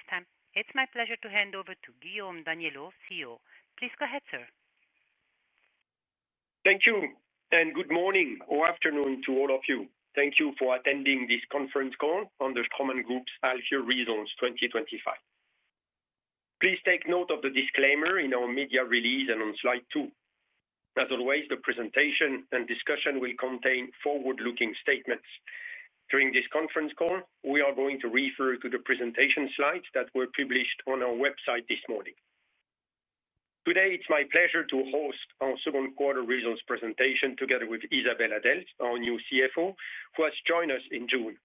At this time, it's my pleasure to hand over to Guillaume Daniellot, CEO. Please go ahead, sir. Thank you, and good morning or afternoon to all of you. Thank you for attending this conference call on the Straumann Group's [half year read] 2025. Please take note of the disclaimer in our media release and on slide two. As always, the presentation and discussion will contain forward-looking statements. During this conference call, we are going to refer to the presentation slides that were published on our website this morning. Today, it's my pleasure to host our second quarter's results presentation together with Isabelle Adelt, our new CFO, who has joined us in June.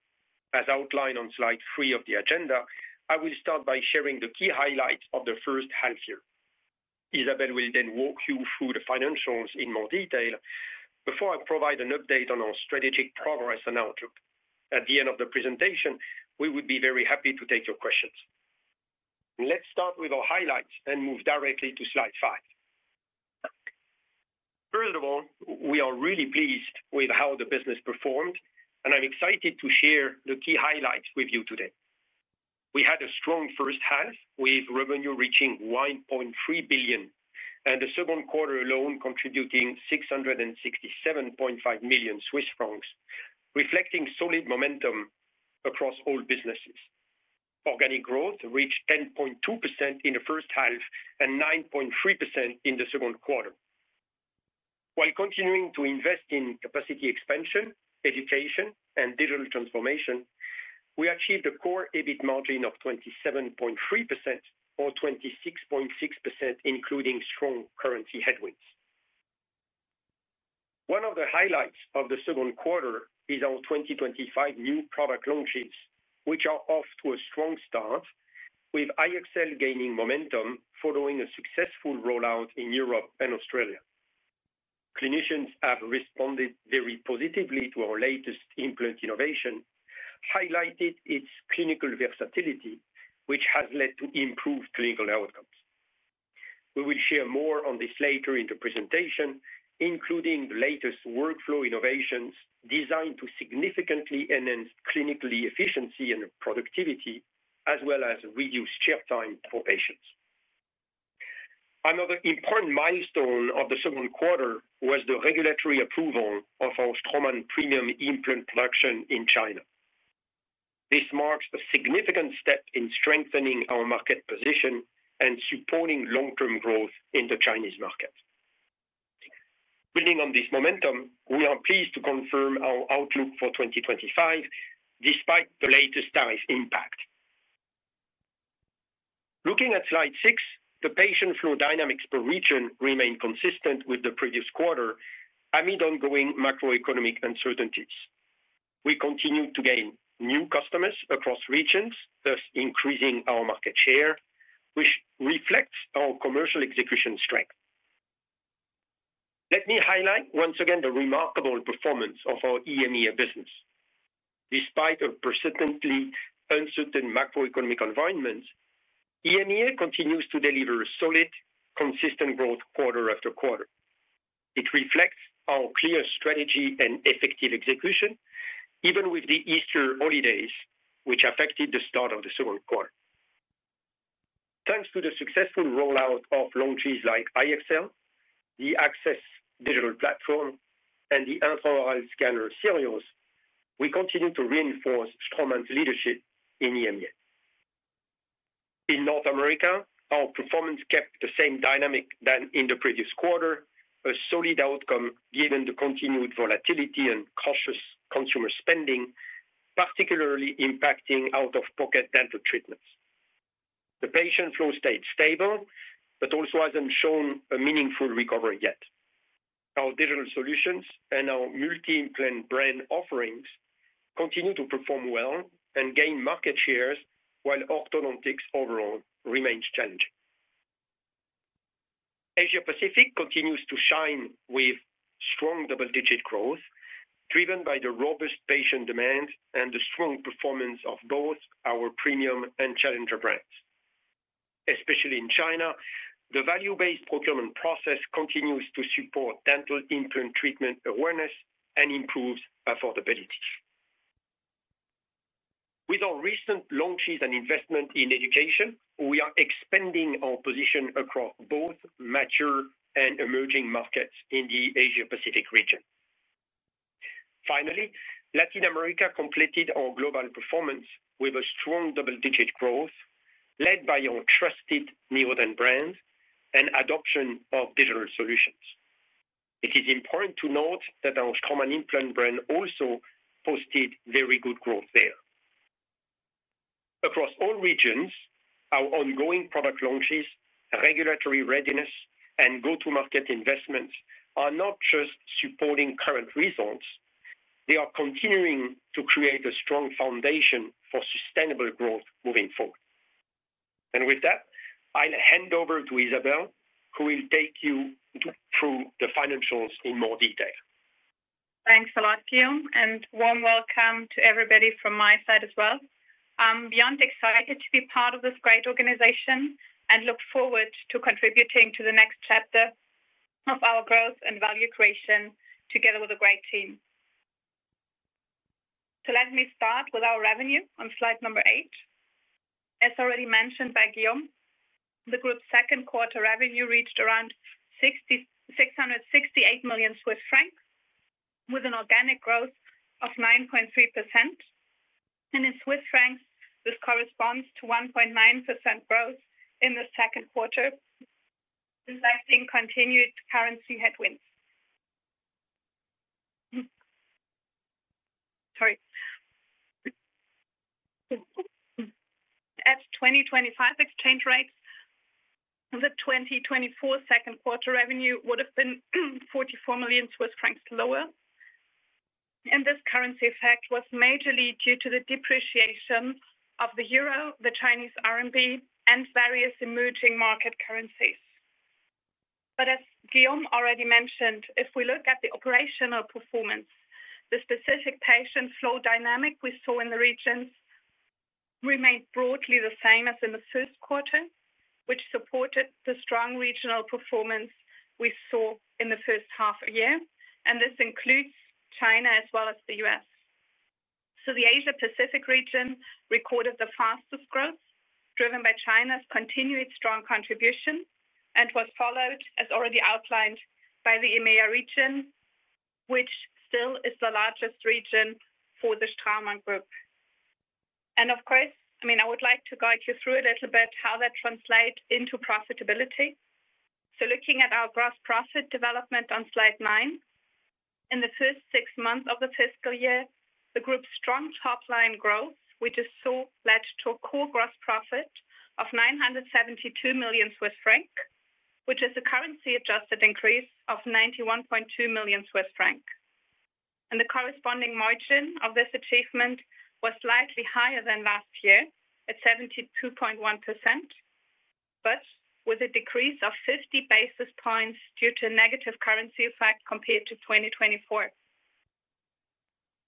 As outlined on slide three of the agenda, I will start by sharing the key highlights of the first half year. Isabelle will then walk you through the financials in more detail before I provide an update on our strategic progress on outlook. At the end of the presentation, we would be very happy to take your questions. Let's start with our highlights and move directly to slide five. First of all, we are really pleased with how the business performed, and I'm excited to share the key highlights with you today. We had a strong first half with revenue reaching 1.3 billion, and the second quarter alone contributing 667.5 million Swiss francs, reflecting solid momentum across all businesses. Organic growth reached 10.2% in the first half and 9.3% in the second quarter. While continuing to invest in capacity expansion, education, and digital transformation, we achieved a core EBIT margin of 27.3% or 26.6%, including strong currency headwinds. One of the highlights of the second quarter is our 2025 new product launches, which are off to a strong start, with iEXCEL gaining momentum following a successful rollout in Europe and Australia. Clinicians have responded very positively to our latest implant innovation, highlighting its clinical versatility, which has led to improved clinical outcomes. We will share more on this later in the presentation, including the latest workflow innovations designed to significantly enhance clinical efficiency and productivity, as well as reduce shelf time for patients. Another important milestone of the second quarter was the regulatory approval of our Straumann premium implant production in China. This marks a significant step in strengthening our market position and supporting long-term growth in the Chinese market. Building on this momentum, we are pleased to confirm our outlook for 2025, despite the latest tariff impact. Looking at slide six, the patient flow dynamics per region remain consistent with the previous quarter, amid ongoing macroeconomic uncertainties. We continue to gain new customers across regions, thus increasing our market share, which reflects our commercial execution strength. Let me highlight once again the remarkable performance of our EMEA business. Despite a persistently uncertain macroeconomic environment, EMEA continues to deliver a solid, consistent growth quarter after quarter. It reflects our clear strategy and effective execution, even with the Easter holidays, which affected the start of the second quarter. Thanks to the successful rollout of launches like iEXCEL, the AXS digital platform, and the intraoral scanner SIRIOS, we continue to reinforce Straumann's leadership in EMEA. In North America, our performance kept the same dynamic as in the previous quarter, a solid outcome given the continued volatility and cautious consumer spending, particularly impacting out-of-pocket dental treatments. The patient flow stayed stable, but also hasn't shown a meaningful recovery yet. Our digital solutions and our multi-implant brand offerings continue to perform well and gain market share, while orthodontics overall remains challenging. Asia-Pacific continues to shine with strong double-digit growth, driven by the robust patient demand and the strong performance of both our premium and challenger brands. Especially in China, the value-based procurement process continues to support dental implant treatment awareness and improves affordability. With our recent launches and investment in education, we are expanding our position across both mature and emerging markets in the Asia-Pacific region. Finally, Latin America completed our global performance with a strong double-digit growth, led by our trusted Neodent brand and adoption of digital solutions. It is important to note that our Straumann implant brand also posted very good growth there. Across all regions, our ongoing product launches, regulatory readiness, and go-to-market investments are not just supporting current results, they are continuing to create a strong foundation for sustainable growth moving forward. I'll hand over to Isabelle, who will take you through the financials in more detail. Thanks a lot, Guillaume, and warm welcome to everybody from my side as well. I'm beyond excited to be part of this great organization and look forward to contributing to the next chapter of our growth and value creation together with a great team. Let me start with our revenue on slide number eight. As already mentioned by Guillaume, the group's second quarter revenue reached around 668 million Swiss francs, with an organic growth of 9.3%. In Swiss francs, this corresponds to 1.9% growth in the second quarter, reflecting continued currency headwinds. At 2025 exchange rates, the 2024 second quarter revenue would have been 44 million Swiss francs lower. This currency effect was majorly due to the depreciation of the euro, the Chinese RMB, and various emerging market currencies. As Guillaume already mentioned, if we look at the operational performance, the specific patient flow dynamic we saw in the regions remained broadly the same as in the first quarter, which supported the strong regional performance we saw in the first half a year. This includes China as well as the U.S. The Asia-Pacific region recorded the fastest growth, driven by China's continued strong contribution and was followed, as already outlined, by the EMEA region, which still is the largest region for the Straumann Group. I would like to guide you through a little bit how that translates into profitability. Looking at our gross profit development on slide nine, in the first six months of the fiscal year, the group's strong top-line growth led to a core gross profit of 972 million Swiss franc, which is a currency-adjusted increase of 91.2 million Swiss franc. The corresponding margin of this achievement was slightly higher than last year at 72.1%, but with a decrease of 50 basis points due to a negative currency effect compared to 2024.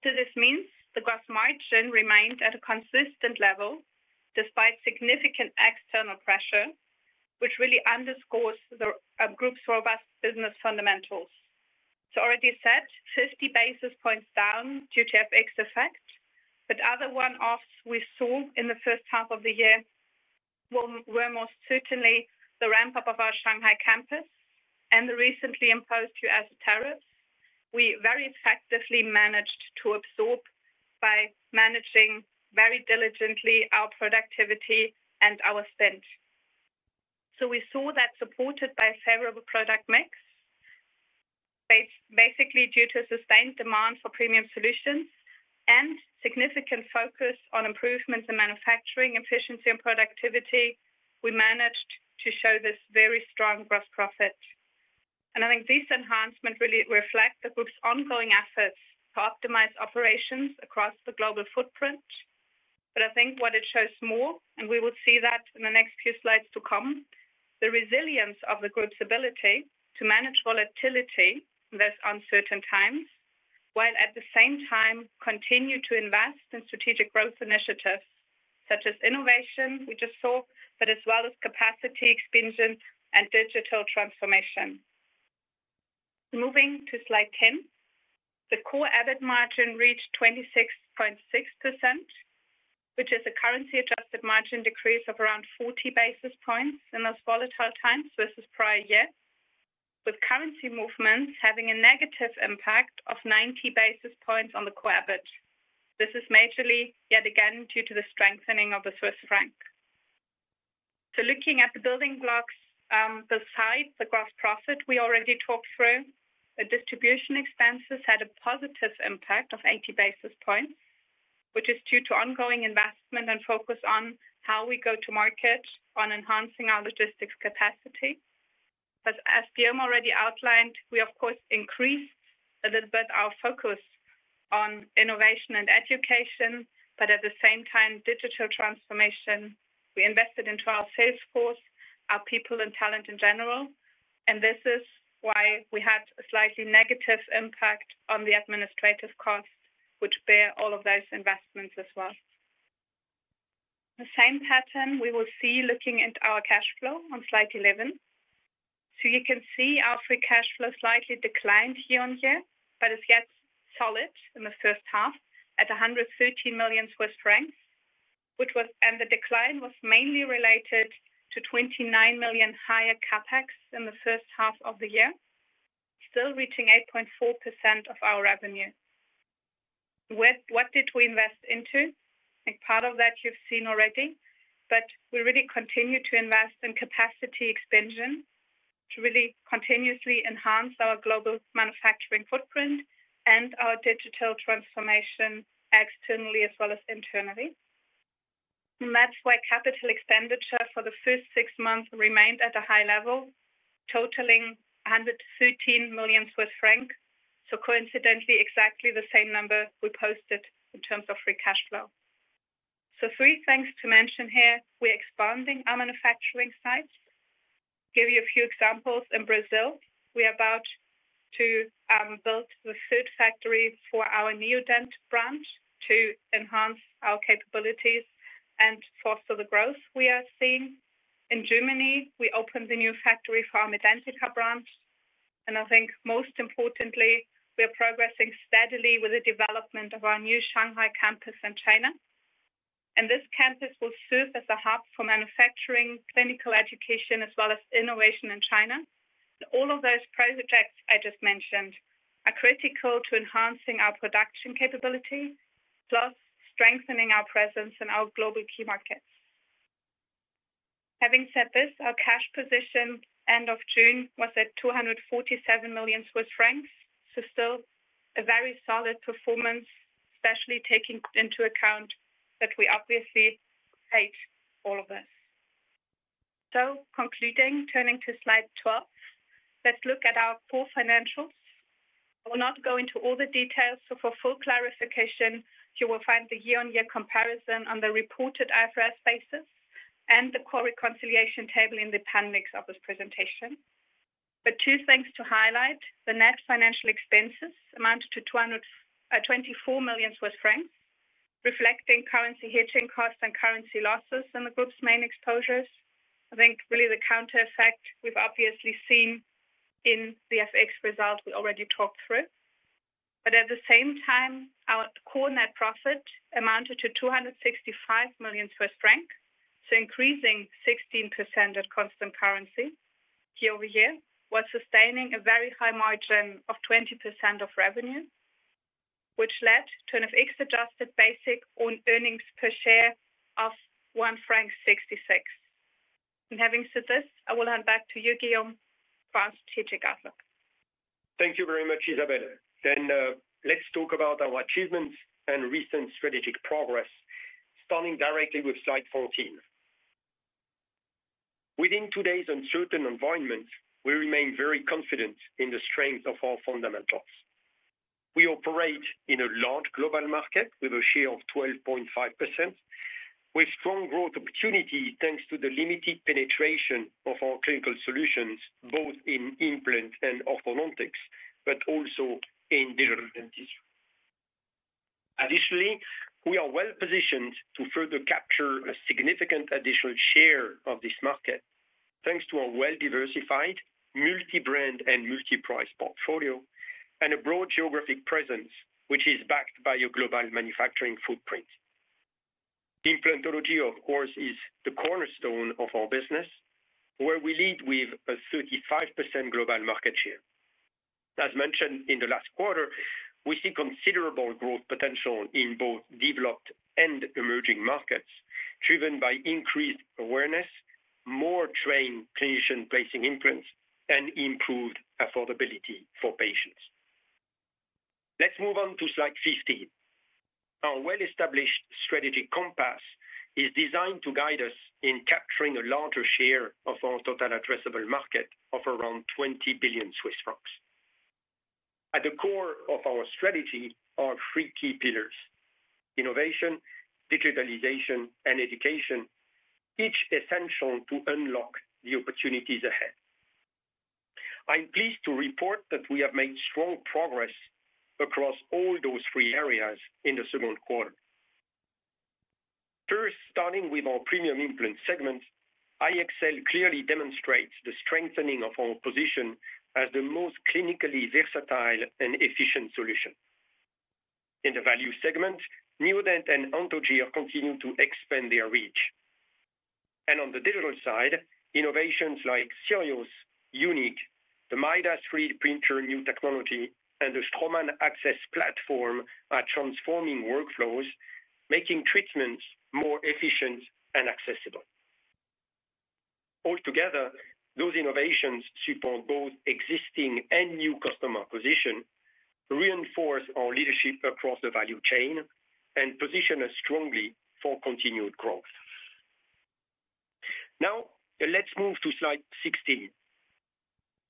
This means the gross margin remained at a consistent level despite significant external pressure, which really underscores the group's robust business fundamentals. As already said, 50 basis points down due to FX effect, but other one-offs we saw in the first half of the year were most certainly the ramp-up of our Shanghai campus and the recently imposed U.S. tariffs. We very effectively managed to absorb by managing very diligently our productivity and our spend. We saw that supported by a favorable product mix, basically due to sustained demand for premium solutions and significant focus on improvements in manufacturing efficiency and productivity, we managed to show this very strong gross profit. I think these enhancements really reflect the group's ongoing efforts to optimize operations across the global footprint. What it shows more, and we will see that in the next few slides to come, is the resilience of the group's ability to manage volatility in those uncertain times, while at the same time continuing to invest in strategic growth initiatives such as innovation we just saw, as well as capacity expansion and digital transformation. Moving to slide 10, the core EBIT margin reached 26.6%, which is a currency-adjusted margin decrease of around 40 basis points in those volatile times versus prior years, with currency movements having a negative impact of 90 basis points on the core EBIT. This is mainly, yet again, due to the strengthening of the Swiss franc. Looking at the building blocks besides the gross profit we already talked through, the distribution expenses had a positive impact of 80 basis points, which is due to ongoing investment and focus on how we go to market on enhancing our logistics capacity. As Guillaume already outlined, we, of course, increased a little bit our focus on innovation and education, but at the same time, digital transformation. We invested into our sales force, our people, and talent in general. This is why we had a slightly negative impact on the administrative costs, which bear all of those investments as well. The same pattern we will see looking at our cash flow on slide 11. You can see our free cash flow slightly declined year-on-year, but is yet solid in the first half at 113 million Swiss francs, and the decline was mainly related to 29 million higher CapEx in the first half of the year, still reaching 8.4% of our revenue. What did we invest into? I think part of that you've seen already, but we really continue to invest in capacity expansion to really continuously enhance our global manufacturing footprint and our digital transformation externally as well as internally. That's why capital expenditure for the first six months remained at a high level, totaling 113 million Swiss francs. Coincidentally, exactly the same number we posted in terms of free cash flow. Three things to mention here. We're expanding our manufacturing sites. I'll give you a few examples. In Brazil, we are about to build the third factory for our Neodent brand to enhance our capabilities and foster the growth we are seeing. In Germany, we opened the new factory for our MEDENTIKA brand. Most importantly, we are progressing steadily with the development of our new Shanghai campus in China. This campus will serve as a hub for manufacturing, clinical education, as well as innovation in China. All of those projects I just mentioned are critical to enhancing our production capability, plus strengthening our presence in our global key markets. Having said this, our cash position end of June was at 247 million Swiss francs, so still a very solid performance, especially taking into account that we obviously hate all of this. Concluding, turning to slide 12, let's look at our core financials. I will not go into all the details, so for full clarification, you will find the year-on-year comparison on the reported IFRS basis and the core reconciliation table in the appendix of this presentation. Two things to highlight: the net financial expenses amount to 224 million Swiss francs, reflecting currency hedging costs and currency losses in the group's main exposures. I think really the counter effect we've obviously seen in the FX results we already talked through. At the same time, our core net profit amounted to 265 million Swiss francs, increasing 16% at constant currency year over year, while sustaining a very high margin of 20% of revenue, which led to an FX-adjusted basic earnings per share of 1.66 franc. Having said this, I will hand back to you, Guillaume, for our strategic outlook. Thank you very much, Isabelle. Let's talk about our achievements and recent strategic progress, starting directly with slide 14. Within today's uncertain environment, we remain very confident in the strength of our fundamentals. We operate in a large global market with a share of 12.5%, with strong growth opportunity thanks to the limited penetration of our clinical solutions both in implants and orthodontics, but also in digital dentistry. Additionally, we are well positioned to further capture a significant additional share of this market thanks to our well-diversified, multi-brand and multi-price portfolio and a broad geographic presence, which is backed by a global manufacturing footprint. Implantology, of course, is the cornerstone of our business, where we lead with a 35% global market share. As mentioned in the last quarter, we see considerable growth potential in both developed and emerging markets, driven by increased awareness, more trained clinicians placing implants, and improved affordability for patients. Let's move on to slide 15. Our well-established strategic compass is designed to guide us in capturing a larger share of our total addressable market of around 20 billion Swiss francs. At the core of our strategy are three key pillars: innovation, digitalization, and education, each essential to unlock the opportunities ahead. I'm pleased to report that we have made strong progress across all those three areas in the second quarter. First, starting with our premium implant segment, iEXCEL clearly demonstrates the strengthening of our position as the most clinically versatile and efficient solution. In the value segment, Neodent and Anthogyr continue to expand their reach. On the digital side, innovations like SIRIOS, UN!Q, the Midas 3D printer new technology, and the Straumann AXS platform are transforming workflows, making treatments more efficient and accessible. Altogether, those innovations support both existing and new customer acquisition, reinforce our leadership across the value chain, and position us strongly for continued growth. Now, let's move to slide 16.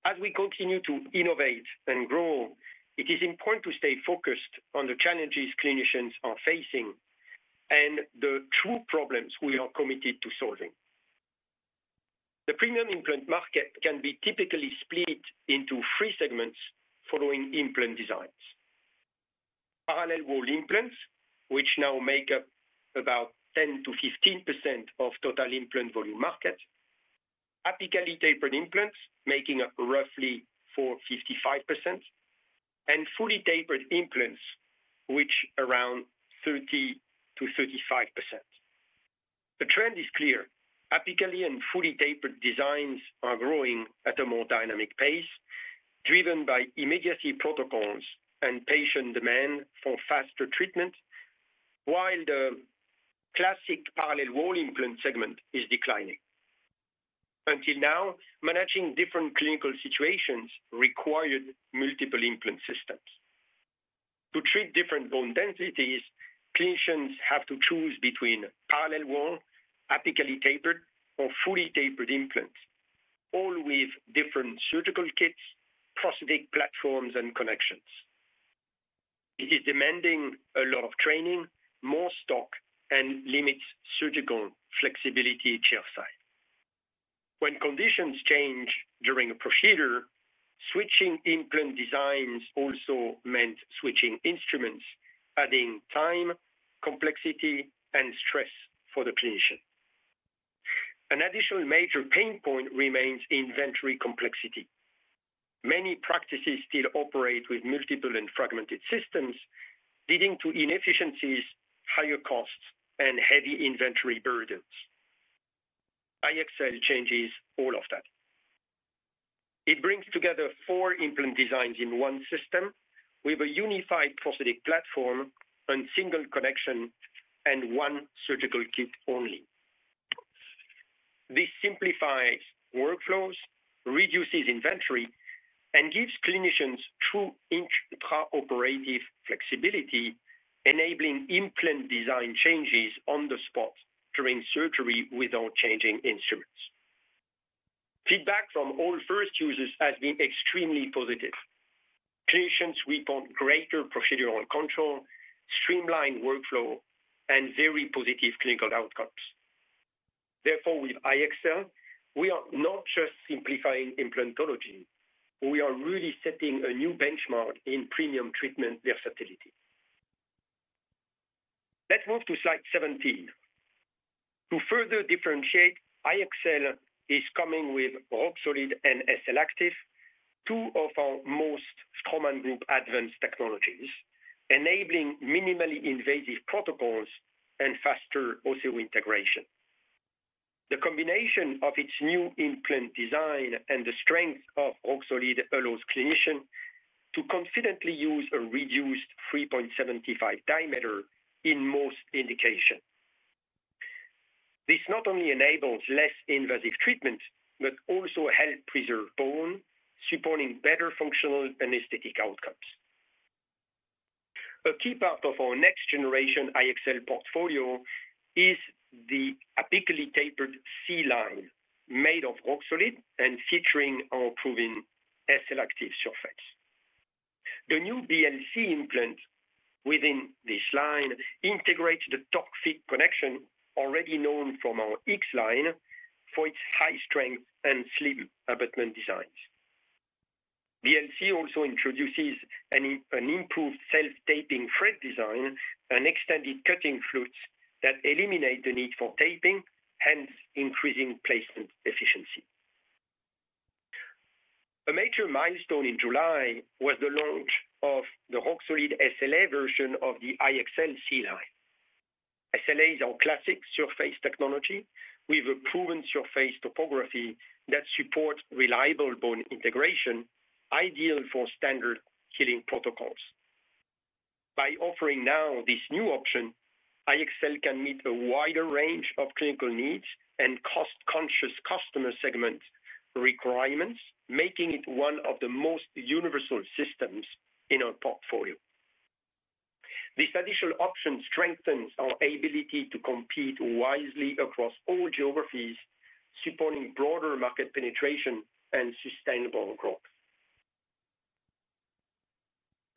As we continue to innovate and grow, it is important to stay focused on the challenges clinicians are facing and the true problems we are committed to solving. The premium implant market can be typically split into three segments following implant designs: parallel wall implants, which now make up about 10%-15% of the total implant volume market; apically tapered implants, making up roughly 40%,55%; and fully tapered implants, which are around 30%-35%. The trend is clear: apically and fully tapered designs are growing at a more dynamic pace, driven by emergency protocols and patient demand for faster treatment, while the classic parallel wall implant segment is declining. Until now, managing different clinical situations required multiple implant systems. To treat different bone densities, clinicians have to choose between parallel wall, apically tapered, or fully tapered implants, all with different surgical kits, prosthetic platforms, and connections. It is demanding a lot of training, more stock, and limits surgical flexibility chairside. When conditions change during a procedure, switching implant designs also meant switching instruments, adding time, complexity, and stress for the clinician. An additional major pain point remains inventory complexity. Many practices still operate with multiple and fragmented systems, leading to inefficiencies, higher costs, and heavy inventory burdens. iEXCEL changes all of that. It brings together four implant designs in one system with a unified prosthetic platform, a single connection, and one surgical kit only. This simplifies workflows, reduces inventory, and gives clinicians true intraoperative flexibility, enabling implant design changes on the spot during surgery without changing instruments. Feedback from all first users has been extremely positive. Clinicians report greater procedural control, streamlined workflow, and very positive clinical outcomes. Therefore, with iEXCEL, we are not just simplifying implantology; we are really setting a new benchmark in premium treatment versatility. Let's move to slide 17. To further differentiate, iEXCEL is coming with Roxolid and SLActive, two of our most Straumann Group advanced technologies, enabling minimally invasive protocols and faster osseointegration. The combination of its new implant design and the strength of Roxolid allows clinicians to confidently use a reduced 3.75 diameter in most indications. This not only enables less invasive treatments, but also helps preserve bone, supporting better functional and aesthetic outcomes. A key part of our next-generation iEXCEL portfolio is the apically tapered C-LINE, made of Roxolid and featuring our proven SLActive surface. The new BLC implant within this line integrates the torque-fit connection already known from our X-Line for its high strength and slim abutment designs. BLC also introduces an improved self-tapping thread design and extended cutting flutes that eliminate the need for tapping, hence increasing placement efficiency. A major milestone in July was the launch of the Roxolid SLA version of the iEXCEL C-LINE. SLA is classic surface technology with a proven surface topography that supports reliable bone integration, ideal for standard healing protocols. By offering now this new option, iEXCEL can meet a wider range of clinical needs and cost-conscious customer segment requirements, making it one of the most universal systems in our portfolio. This additional option strengthens our ability to compete wisely across all geographies, supporting broader market penetration and sustainable growth.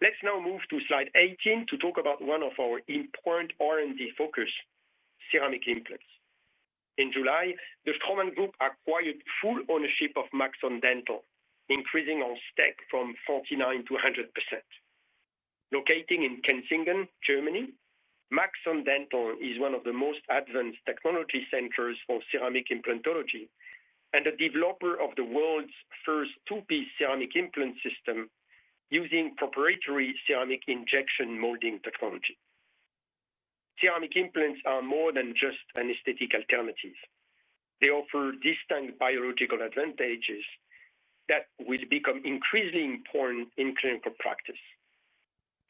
Let's now move to slide 18 to talk about one of our important R&D focus: ceramic implants. In July, the Straumann Group acquired full ownership of Maxon Dental, increasing our stake from 49%-100%. Located in Kenzingen, Germany, Maxon Dental is one of the most advanced technology centers for ceramic implantology and the developer of the world's first two-piece ceramic implant system using proprietary ceramic injection molding technology. Ceramic implants are more than just an aesthetic alternative. They offer distinct biological advantages that will become increasingly important in clinical practice.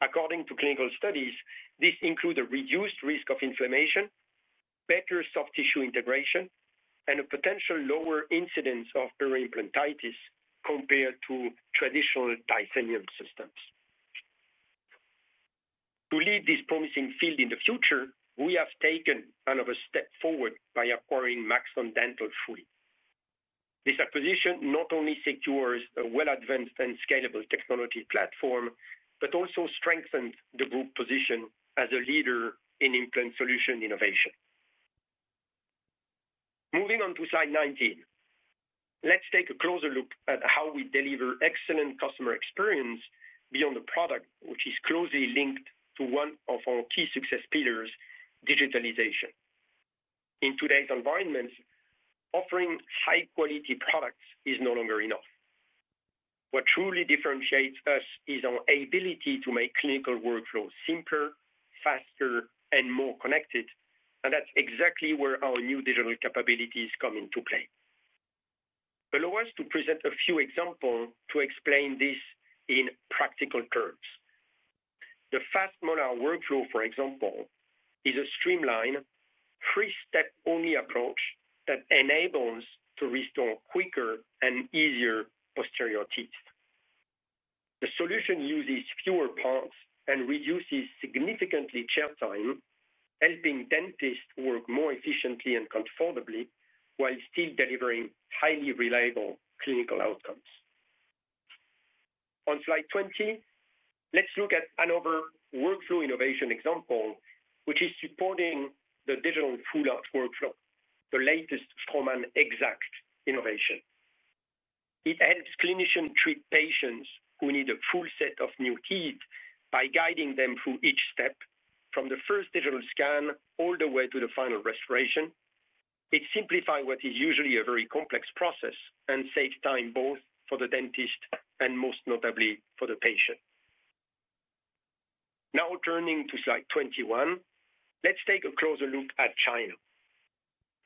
According to clinical studies, these include a reduced risk of inflammation, better soft tissue integration, and a potential lower incidence of peri-implantitis compared to traditional titanium systems. To lead this promising field in the future, we have taken another step forward by acquiring Maxon Dental fully. This acquisition not only secures a well-advanced and scalable technology platform, but also strengthens the Group position as a leader in implant solution innovation. Moving on to slide 19, let's take a closer look at how we deliver excellent customer experience beyond the product, which is closely linked to one of our key success pillars, digitalization. In today's environment, offering high-quality products is no longer enough. What truly differentiates us is our ability to make clinical workflows simpler, faster, and more connected, and that's exactly where our new digital capabilities come into play. Allow us to present a few examples to explain this in practical terms. The Fast Molar workflow, for example, is a streamlined, three-step-only approach that enables to restore quicker and easier posterior teeth. The solution uses fewer parts and reduces significantly chair time, helping dentists work more efficiently and comfortably while still delivering highly reliable clinical outcomes. On slide 20, let's look at another workflow innovation example, which is supporting the digital full-out workflow, the latest Straumann EXACT innovation. It helps clinicians treat patients who need a full set of new teeth by guiding them through each step, from the first digital scan all the way to the final restoration. It simplifies what is usually a very complex process and saves time both for the dentist and most notably for the patient. Now turning to slide 21, let's take a closer look at China,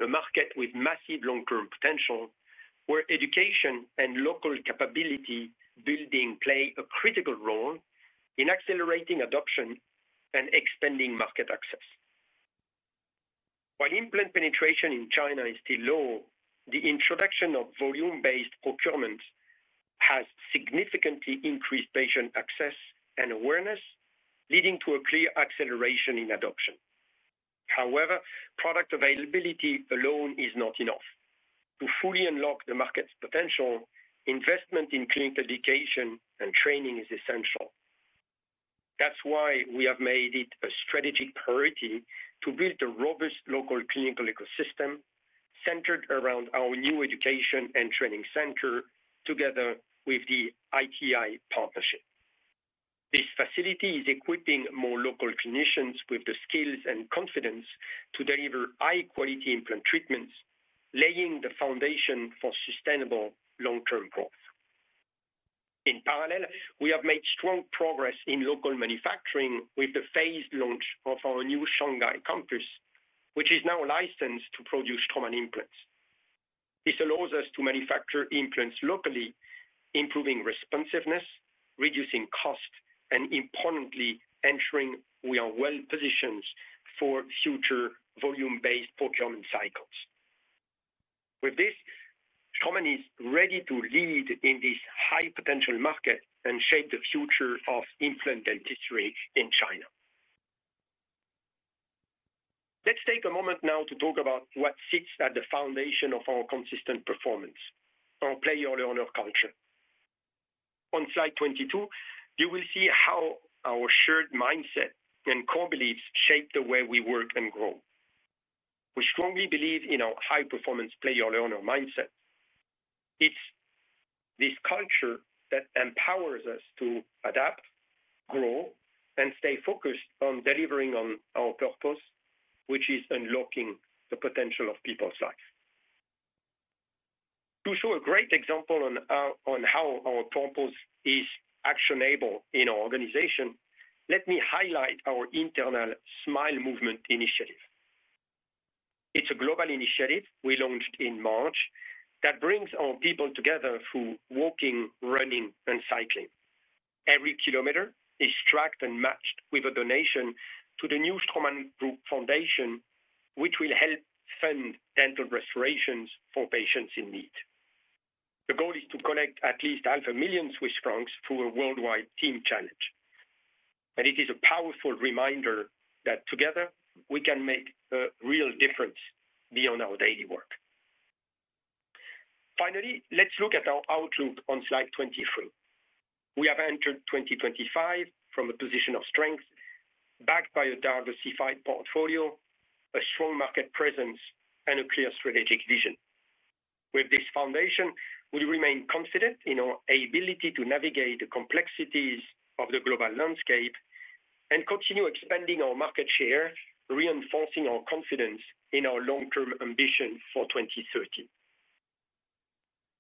a market with massive long-term potential, where education and local capability building play a critical role in accelerating adoption and expanding market access. While implant penetration in China is still low, the introduction of volume-based procurements has significantly increased patient access and awareness, leading to a clear acceleration in adoption. However, product availability alone is not enough. To fully unlock the market's potential, investment in clinical education and training is essential. That's why we have made it a strategic priority to build a robust local clinical ecosystem centered around our new education and training center, together with the ITI partnership. This facility is equipping more local clinicians with the skills and confidence to deliver high-quality implant treatments, laying the foundation for sustainable long-term growth. In parallel, we have made strong progress in local manufacturing with the phased launch of our new Shanghai campus, which is now licensed to produce Straumann implants. This allows us to manufacture implants locally, improving responsiveness, reducing cost, and importantly, ensuring we are well positioned for future volume-based procurement cycles. With this, Straumann is ready to lead in this high-potential market and shape the future of implant dentistry in China. Let's take a moment now to talk about what sits at the foundation of our consistent performance, our Player-Learner culture. On slide 22, you will see how our shared mindset and core beliefs shape the way we work and grow. We strongly believe in our high-performance player-learner mindset. It's this culture that empowers us to adapt, grow, and stay focused on delivering on our purpose, which is unlocking the potential of people's lives. To show a great example on how our purpose is actionable in our organization, let me highlight our internal Smile Movement initiative. It's a global initiative we launched in March that brings our people together through walking, running, and cycling. Every kilometer is tracked and matched with a donation to the new Straumann Group Foundation, which will help fund dental restorations for patients in need. The goal is to collect at least 0.5 million Swiss francs through a worldwide team challenge. It is a powerful reminder that together we can make a real difference beyond our daily work. Finally, let's look at our outlook on slide 23. We have entered 2025 from a position of strength, backed by a diversified portfolio, a strong market presence, and a clear strategic vision. With this foundation, we remain confident in our ability to navigate the complexities of the global landscape and continue expanding our market share, reinforcing our confidence in our long-term ambition for 2030.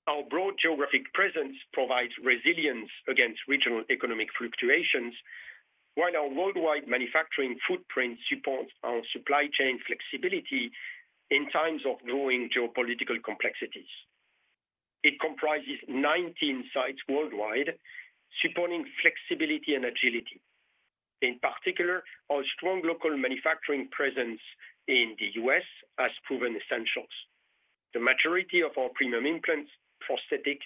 Our broad geographic presence provides resilience against regional economic fluctuations, while our worldwide manufacturing footprint supports our supply chain flexibility in times of growing geopolitical complexities. It comprises 19 sites worldwide, supporting flexibility and agility. In particular, our strong local manufacturing presence in the U.S. has proven essential. The majority of our premium implants, prosthetics,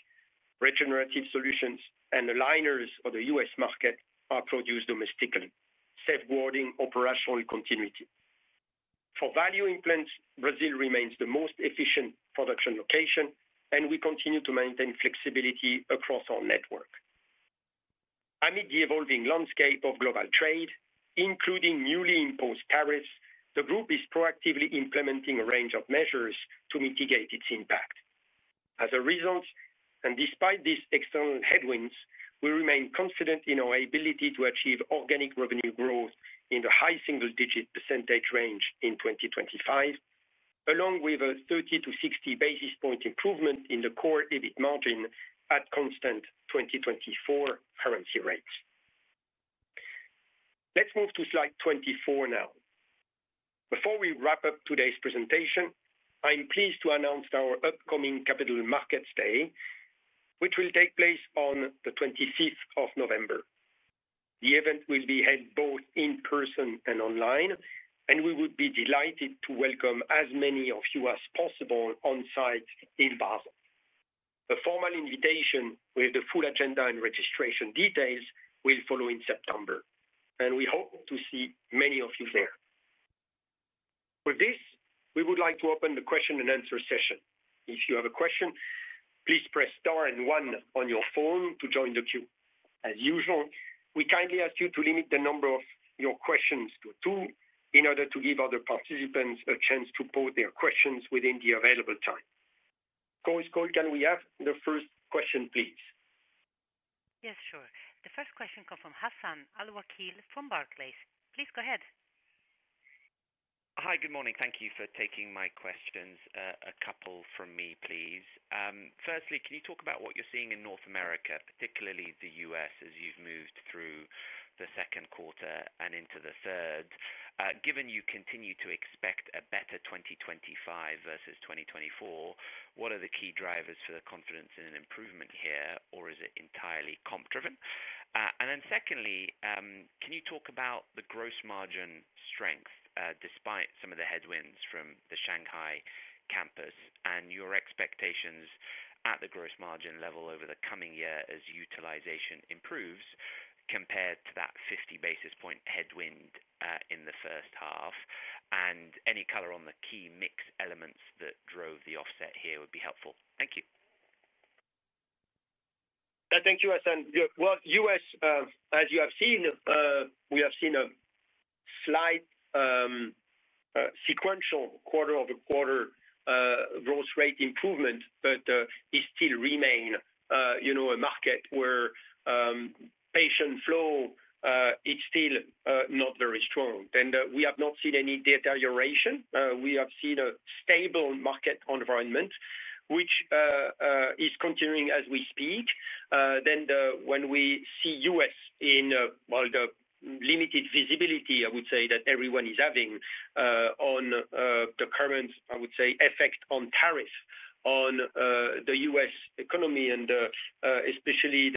regenerative solutions, and aligners for the U.S. market are produced domestically, safeguarding operational continuity. For value implants, Brazil remains the most efficient production location, and we continue to maintain flexibility across our network. Amid the evolving landscape of global trade, including newly imposed tariffs, the group is proactively implementing a range of measures to mitigate its impact. As a result, and despite these external headwinds, we remain confident in our ability to achieve organic revenue growth in the high single-digit percentage range in 2025, along with a 30-60 basis point improvement in the core EBIT margin at constant 2024 currency rates. Let's move to slide 24 now. Before we wrap up today's presentation, I'm pleased to announce our upcoming Capital Markets Day, which will take place on the 25th of November. The event will be held both in person and online, and we would be delighted to welcome as many of you as possible on site in Basel. A formal invitation with the full agenda and registration details will follow in September, and we hope to see many of you there. With this, we would like to open the question-and-answer session. If you have a question, please press star and one on your phone to join the queue. As usual, we kindly ask you to limit the number of your questions to two in order to give other participants a chance to post their questions within the availabe time. Chorus Call, can we have the first question, please? Yes, sure. The first question comes from Hassan Al-Wakeel from Barclays. Please go ahead. Hi, good morning. Thank you for taking my questions. A couple from me, please. Firstly, can you talk about what you're seeing in North America, particularly the U.S., as you've moved through the second quarter and into the third? Given you continue to expect a better 2025 versus 2024, what are the key drivers for the confidence in an improvement here, or is it entirely comp-driven? Secondly, can you talk about the gross margin strength despite some of the headwinds from the Shanghai campus and your expectations at the gross margin level over the coming year as utilization improves compared to that 50 basis point headwind in the first half? Any color on the key mix elements that drove the offset here would be helpful. Thank you. Thank you, Hassan. U.S., as you have seen, we have seen a slight sequential quarter-over-quarter growth rate improvement, but it still remains a market where patient flow is still not very strong. We have not seen any deterioration. We have seen a stable market environment, which is continuing as we speak. When we see U.S. in, the limited visibility, I would say, that everyone is having on the current, I would say, effect on tariffs on the U.S. economy and especially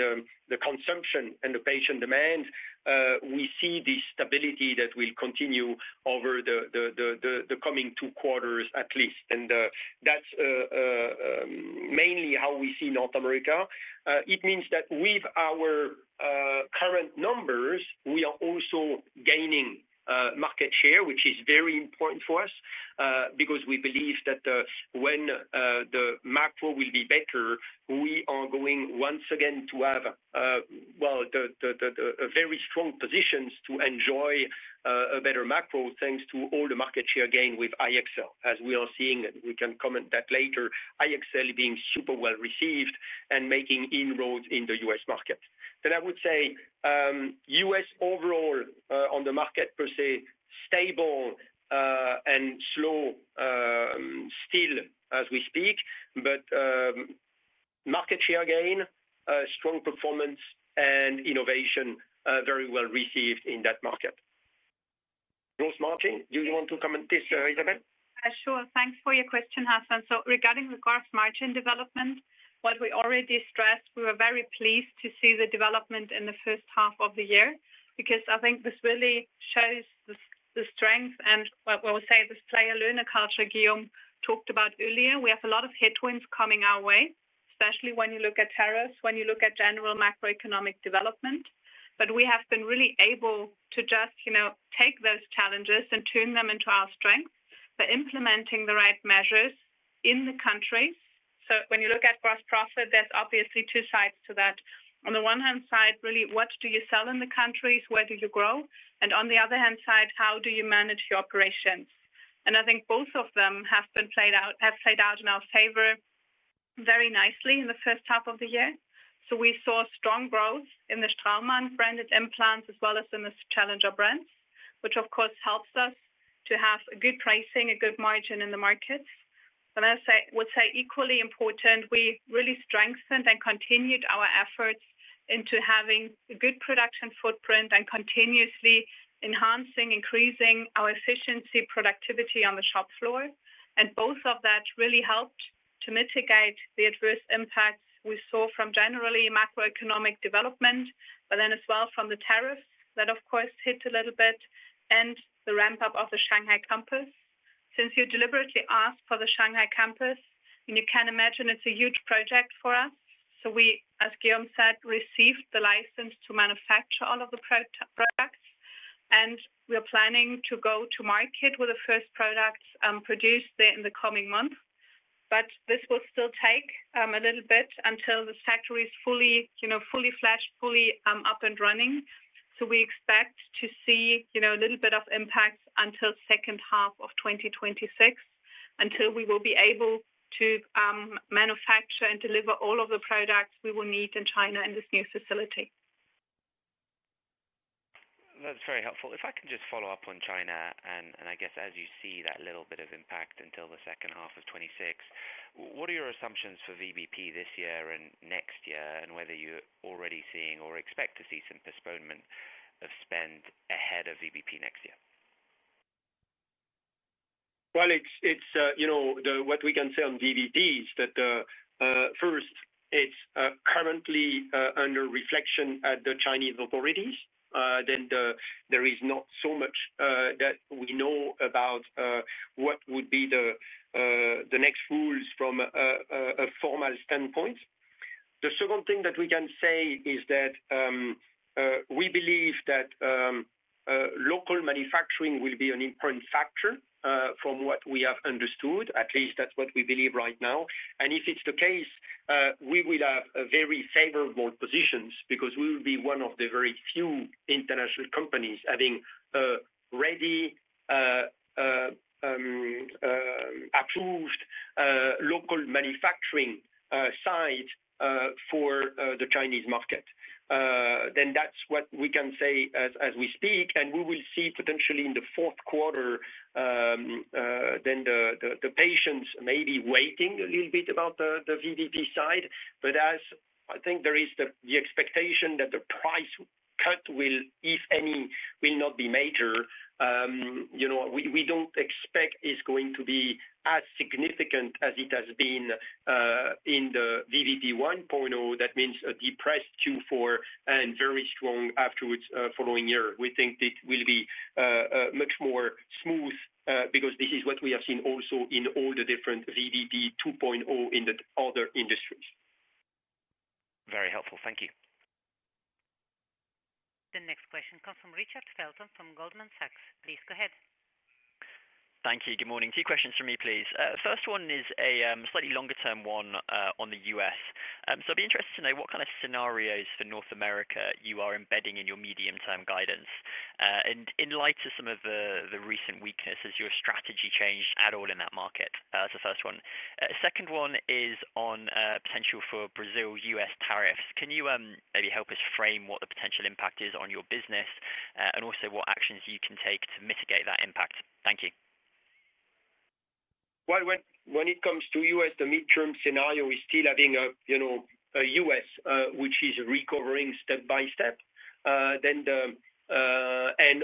the consumption and the patient demand, we see this stability that will continue over the coming two quarters at least. That's mainly how we see North America. It means that with our current numbers, we are also gaining market share, which is very important for us because we believe that when the macro will be better, we are going once again to have very strong positions to enjoy a better macro thanks to all the market share gained with iEXCEL. As we are seeing, and we can comment that later, iEXCEL being super well received and making inroads in the U.S. market. I would say U.S. overall on the market per se, stable and slow still as we speak, but market share gain, strong performance, and innovation very well received in that market. Gross margin, do you want to comment this, Isabelle? Sure. Thanks for your question, Hassan. Regarding the gross margin development, what we already stressed, we were very pleased to see the development in the first half of the year because I think this really shows the strength and what we'll say this player-learner culture h talked about earlier. We have a lot of headwinds coming our way, especially when you look at tariffs, when you look at general macroeconomic development. We have been really able to just take those challenges and turn them into our strengths for implementing the right measures in the countries. When you look at gross profit, there's obviously two sides to that. On the one hand side, really, what do you sell in the countries? Where do you grow? On the other hand side, how do you manage your operations? I think both of them have played out in our favor very nicely in the first half of the year. We saw strong growth in the Straumann-branded implants as well as in the Challenger brands, which of course helps us to have a good pricing, a good margin in the markets. I would say equally important, we really strengthened and continued our efforts into having a good production footprint and continuously enhancing, increasing our efficiency productivity on the shop floor. Both of that really helped to mitigate the adverse impacts we saw from generally macroeconomic development, but then as well from the tariff that of course hit a little bit and the ramp-up of the Shanghai campus. Since you deliberately asked for the Shanghai campus, and you can imagine it's a huge project for us. As Guillaume said, we received the license to manufacture all of the products, and we are planning to go to market with the first products produced there in the coming month. This will still take a little bit until this factory is fully fledged, fully up and running. We expect to see a little bit of impact until the second half of 2026, until we will be able to manufacture and deliver all of the products we will need in China in this new facility. That's very helpful. If I can just follow up on China, and I guess as you see that little bit of impact until the second half of 2026, what are your assumptions for VBP this year and next year, and whether you're already seeing or expect to see some postponement of spend ahead of VBP next year? What we can say on VBP is that first, it's currently under reflection at the Chinese authorities. There is not so much that we know about what would be the next rules from a formal standpoint. The second thing that we can say is that we believe that local manufacturing will be an important factor from what we have understood. At least that's what we believe right now. If it's the case, we will have very favorable positions because we will be one of the very few international companies having a ready approved local manufacturing site for the Chinese market. That's what we can say as we speak. We will see potentially in the fourth quarter, the patients may be waiting a little bit about the VBP side. As I think there is the expectation that the price cut will, if any, not be major. We don't expect it's going to be as significant as it has been in the VBP 1.0. That means a depressed Q4 and very strong afterwards following year. We think it will be much more smooth because this is what we have seen also in all the different VBP 2.0 in the other industries. Very helpful. Thank you. The next question comes from Richard Felton from Goldman Sachs. Please go ahead. Thank you. Good morning. Two questions from me, please. First one is a slightly longer-term one on the U.S. I'd be interested to know what kind of scenarios for North America you are embedding in your medium-term guidance. In light of some of the recent weaknesses, has your strategy changed at all in that market? That's the first one. The second one is on potential for Brazil-U.S. tariffs. Can you maybe help us frame what the potential impact is on your business and also what actions you can take to mitigate that impact? Thank you. When it comes to the U.S., the midterm scenario is still having a U.S. which is recovering step by step.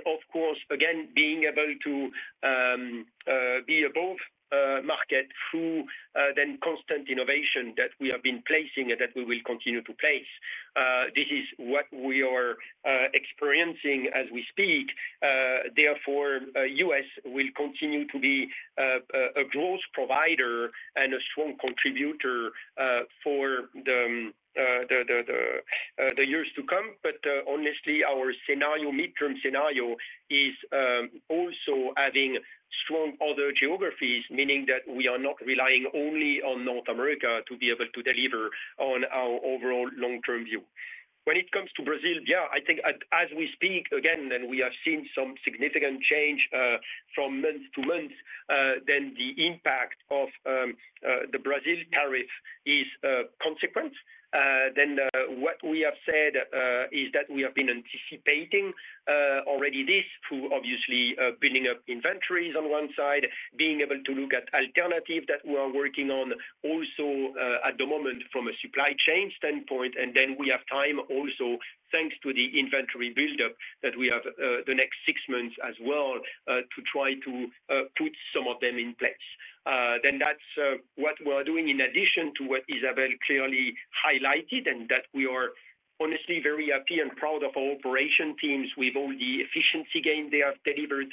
Of course, again, being able to be above market through constant innovation that we have been placing and that we will continue to place. This is what we are experiencing as we speak. Therefore, the U.S. will continue to be a growth provider and a strong contributor for the years to come. Honestly, our midterm scenario is also having strong other geographies, meaning that we are not relying only on North America to be able to deliver on our overall long-term view. When it comes to Brazil, as we speak again, we have seen some significant change from month to month. The impact of the Brazil tariff is consequent. What we have said is that we have been anticipating already this through obviously building up inventories on one side, being able to look at alternatives that we are working on also at the moment from a supply chain standpoint. We have time also, thanks to the inventory buildup that we have the next six months as well, to try to put some of them in place. That is what we're doing in addition to what Isabelle clearly highlighted and that we are honestly very happy and proud of our operation teams with all the efficiency gain they have delivered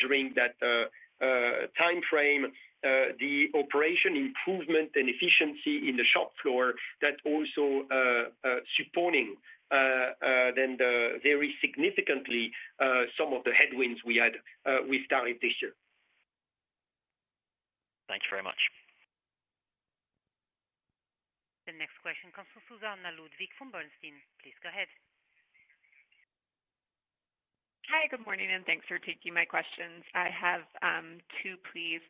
during that time frame. The operation improvement and efficiency in the shop floor also supported very significantly some of the headwinds we had with tariffs this year. Thank you very much. The next question comes from Susannah Ludwig from Bernstein. Please go ahead. Hi, good morning, and thanks for taking my questions. I have two, please.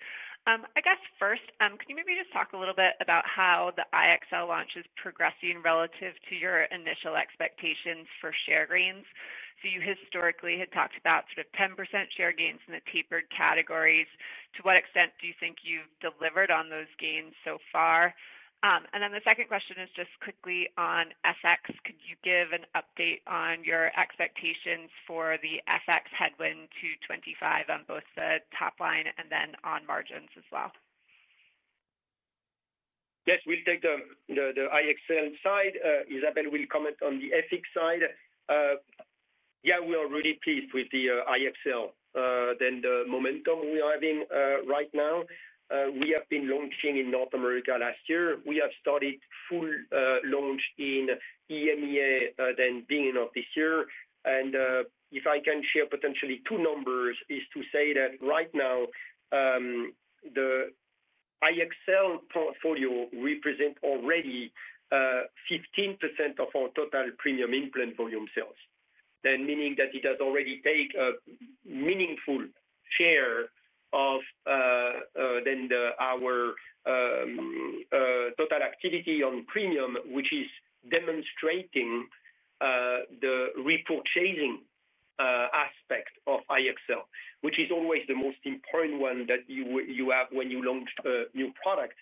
First, can you maybe just talk a little bit about how the iEXCEL implant system launch is progressing relative to your initial expectations for share gains? You historically had talked about sort of 10% share gains in the tapered categories. To what extent do you think you've delivered on those gains so far? The second question is just quickly on FX. Could you give an update on your expectations for the FX headwind to 2025 on both the top line and then on margins as well? Yes, we'll take the iEXCEL side. Isabelle will comment on the FX side. Yeah, we are really pleased with the iEXCEL. The momentum we are having right now, we have been launching in North America last year. We have started full launch in EMEA at the beginning of this year. If I can share potentially two numbers, it's to say that right now the iEXCEL portfolio represents already 15% of our total premium implant volume sales, meaning that it has already taken a meaningful share of our total activity on premium, which is demonstrating the repurchasing aspect of iEXCEL, which is always the most important one that you have when you launch a new product,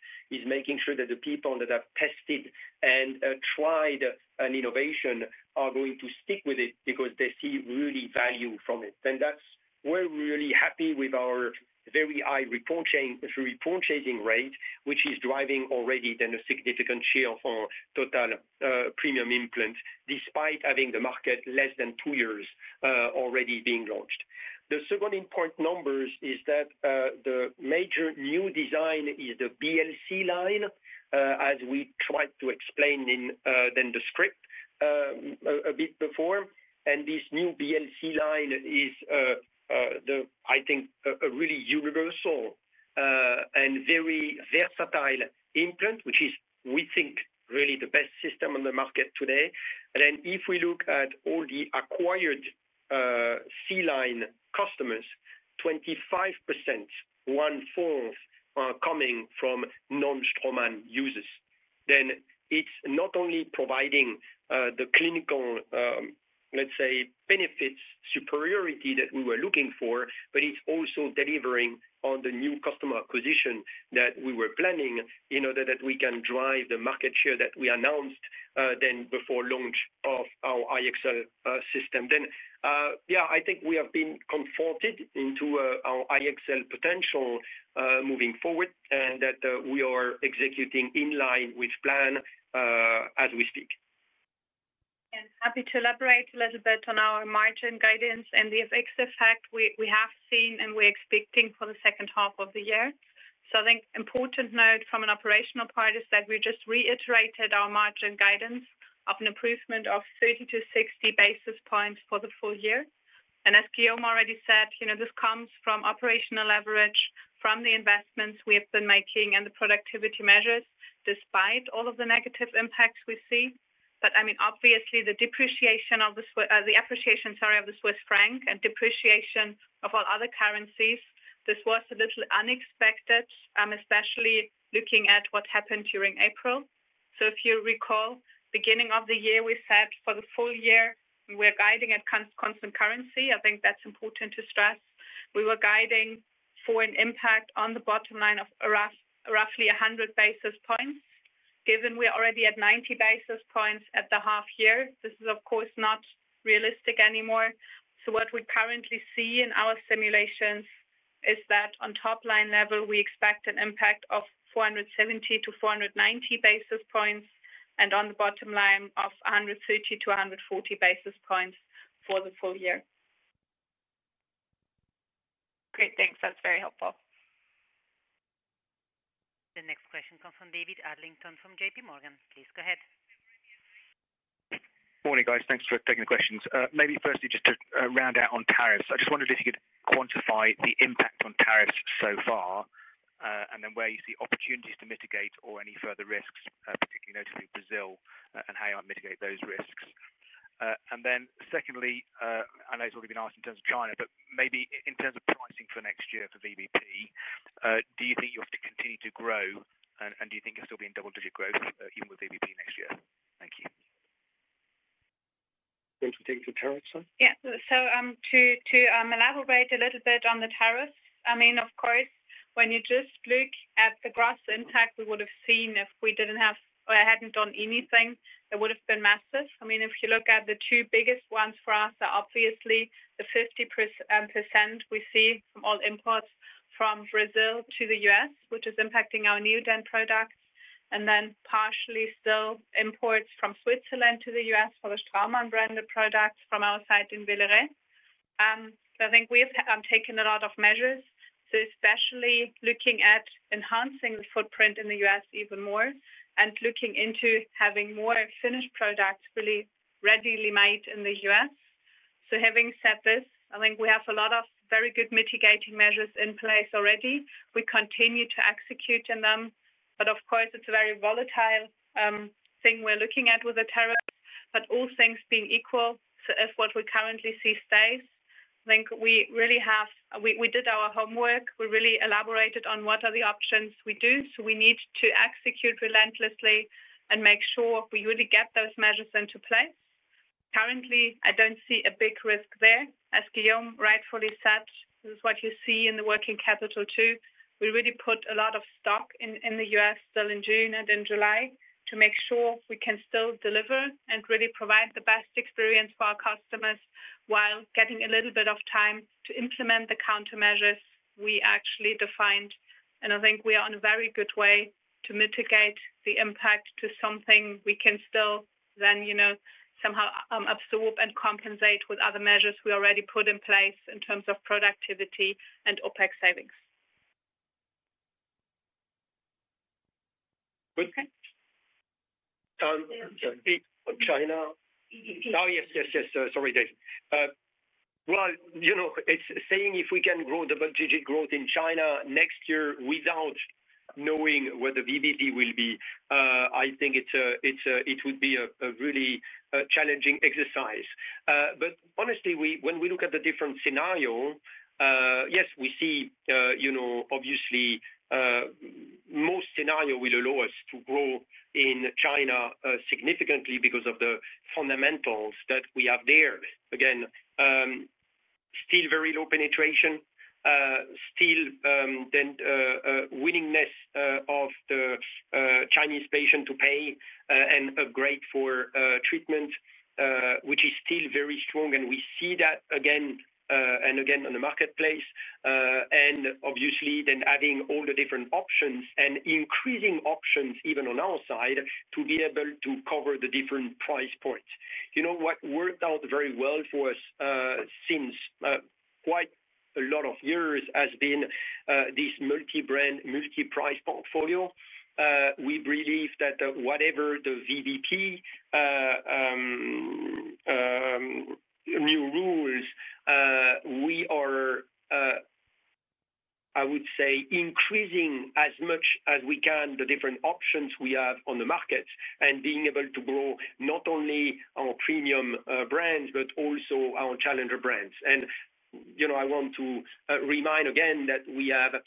making sure that the people that have tested and tried an innovation are going to stick with it because they see real value from it. That's where we're really happy with our very high repurchasing rate, which is driving already a significant share of our total premium implants despite having the market less than two years already being launched. The second important number is that the major new design is the BLC-Line, as we tried to explain in the script a bit before. This new BLC-Line is, I think, a really universal and very versatile implant, which is, we think, really the best system on the market today. If we look at all the acquired C-LINE customers, 25%, 1/4, are coming from non-Straumann users. It is not only providing the clinical, let's say, benefits superiority that we were looking for, but it's also delivering on the new customer acquisition that we were planning in order that we can drive the market share that we announced before launch of our iEXCEL system. I think we have been confronted into our iEXCEL potential moving forward and that we are executing in line with plan as we speak. I'm happy to elaborate a little bit on our margin guidance and the effects of fact we have seen and we're expecting for the second half of the year. I think an important note from an operational part is that we just reiterated our margin guidance of an improvement of 30-60 basis points for the full year. As Guillaume already said, you know, this comes from operational leverage from the investments we have been making and the productivity measures despite all of the negative impacts we see. Obviously, the appreciation of the Swiss franc and depreciation of all other currencies, this was a little unexpected, especially looking at what happened during April. If you recall, the beginning of the year, we said for the full year, we are guiding at constant currency. I think that's important to stress. We were guiding for an impact on the bottom line of roughly 100 basis points. Given we're already at 90 basis points at the half year, this is, of course, not realistic anymore. What we currently see in our simulations is that on top line level, we expect an impact of 470-490 basis points and on the bottom line of 130-140 basis points for the full year. Great, thanks. That's very helpful. The next question comes from David Adlington from JPMorgan. Please go ahead. Morning, guys. Thanks for taking the questions. Maybe firstly, just a round out on tariffs. I just wondered if you could quantify the impact on tariffs so far, and then where you see opportunities to mitigate or any further risks, particularly notably Brazil, and how you might mitigate those risks. Secondly, I know it's already been asked in terms of China, but maybe in terms of pricing for next year for VBP, do you think you'll continue to grow, and do you think you'll still be in double-digit growth even with VBP next year? Thank you. Thanks for taking the tariff side. Yeah. To elaborate a little bit on the tariffs, I mean, of course, when you just look at the gross impact we would have seen if we didn't have or hadn't done anything, it would have been massive. I mean, if you look at the two biggest ones for us, obviously, the 50% we see from all imports from Brazil to the U.S., which is impacting our Neodent products, and then partially still imports from Switzerland to the U.S. for the Straumann-branded products from our site in Villeret. I think we have taken a lot of measures, especially looking at enhancing the footprint in the U.S. even more and looking into having more finished products really readily made in the U.S. Having said this, I think we have a lot of very good mitigating measures in place already. We continue to execute in them. Of course, it's a very volatile thing we're looking at with the tariffs. All things being equal, if what we currently see stays, I think we really have, we did our homework. We really elaborated on what are the options we do. We need to execute relentlessly and make sure we really get those measures into place. Currently, I don't see a big risk there. As Guillaume rightfully said, this is what you see in the working capital too. We really put a lot of stock in the U.S. still in June and in July to make sure we can still deliver and really provide the best experience for our customers while getting a little bit of time to implement the countermeasures we actually defined. I think we are in a very good way to mitigate the impact to something we can still then somehow absorb and compensate with other measures we already put in place in terms of productivity and OpEx savings. Okay. On China. Yes, sorry, David. You know, it's saying if we can grow double-digit growth in China next year without knowing where the VBP will be, I think it would be a really challenging exercise. Honestly, when we look at the different scenarios, yes, we see, obviously, most scenarios will allow us to grow in China significantly because of the fundamentals that we have there. Again, still very low penetration, still the willingness of the Chinese patient to pay and upgrade for treatment, which is still very strong. We see that again and again in the marketplace. Obviously, adding all the different options and increasing options even on our side to be able to cover the different price points. What worked out very well for us since quite a lot of years has been this multi-brand, multi-price portfolio. We believe that whatever the VBP new rules, we are, I would say, increasing as much as we can the different options we have on the markets and being able to grow not only our premium brands, but also our Challenger brands. I want to remind again that we have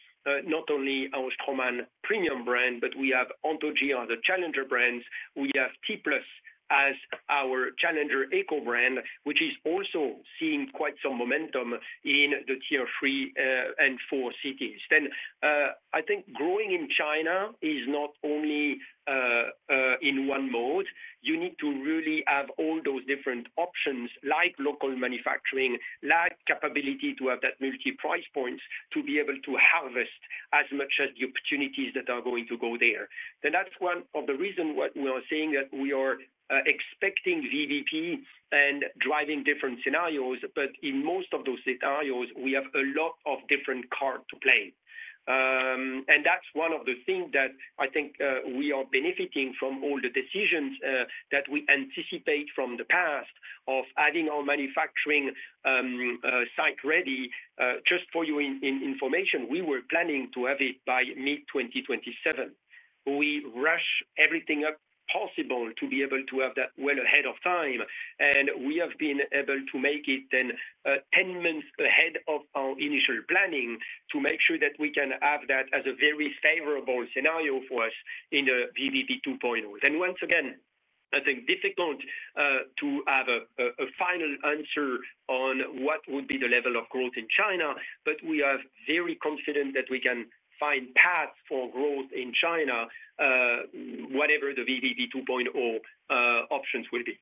not only our Straumann premium brand, but we have Anthogy, the Challenger brands. We have T-Plus as our Challenger eco brand, which is also seeing quite some momentum in the tier three and four cities. I think growing in China is not only in one mode. You need to really have all those different options like local manufacturing, like capability to have that multi-price points to be able to harvest as much as the opportunities that are going to go there. That's one of the reasons why we are saying that we are expecting VBP and driving different scenarios. In most of those scenarios, we have a lot of different cards to play. That's one of the things that I think we are benefiting from all the decisions that we anticipate from the past of adding our manufacturing site ready. Just for your information, we were planning to have it by mid-2027. We rushed everything up possible to be able to have that well ahead of time. We have been able to make it then 10 months ahead of our initial planning to make sure that we can have that as a very favorable scenario for us in the VBP 2.0. Once again, I think difficult to have a final answer on what would be the level of growth in China, but we are very confident that we can find paths for growth in China, whatever the VBP 2.0 options will be.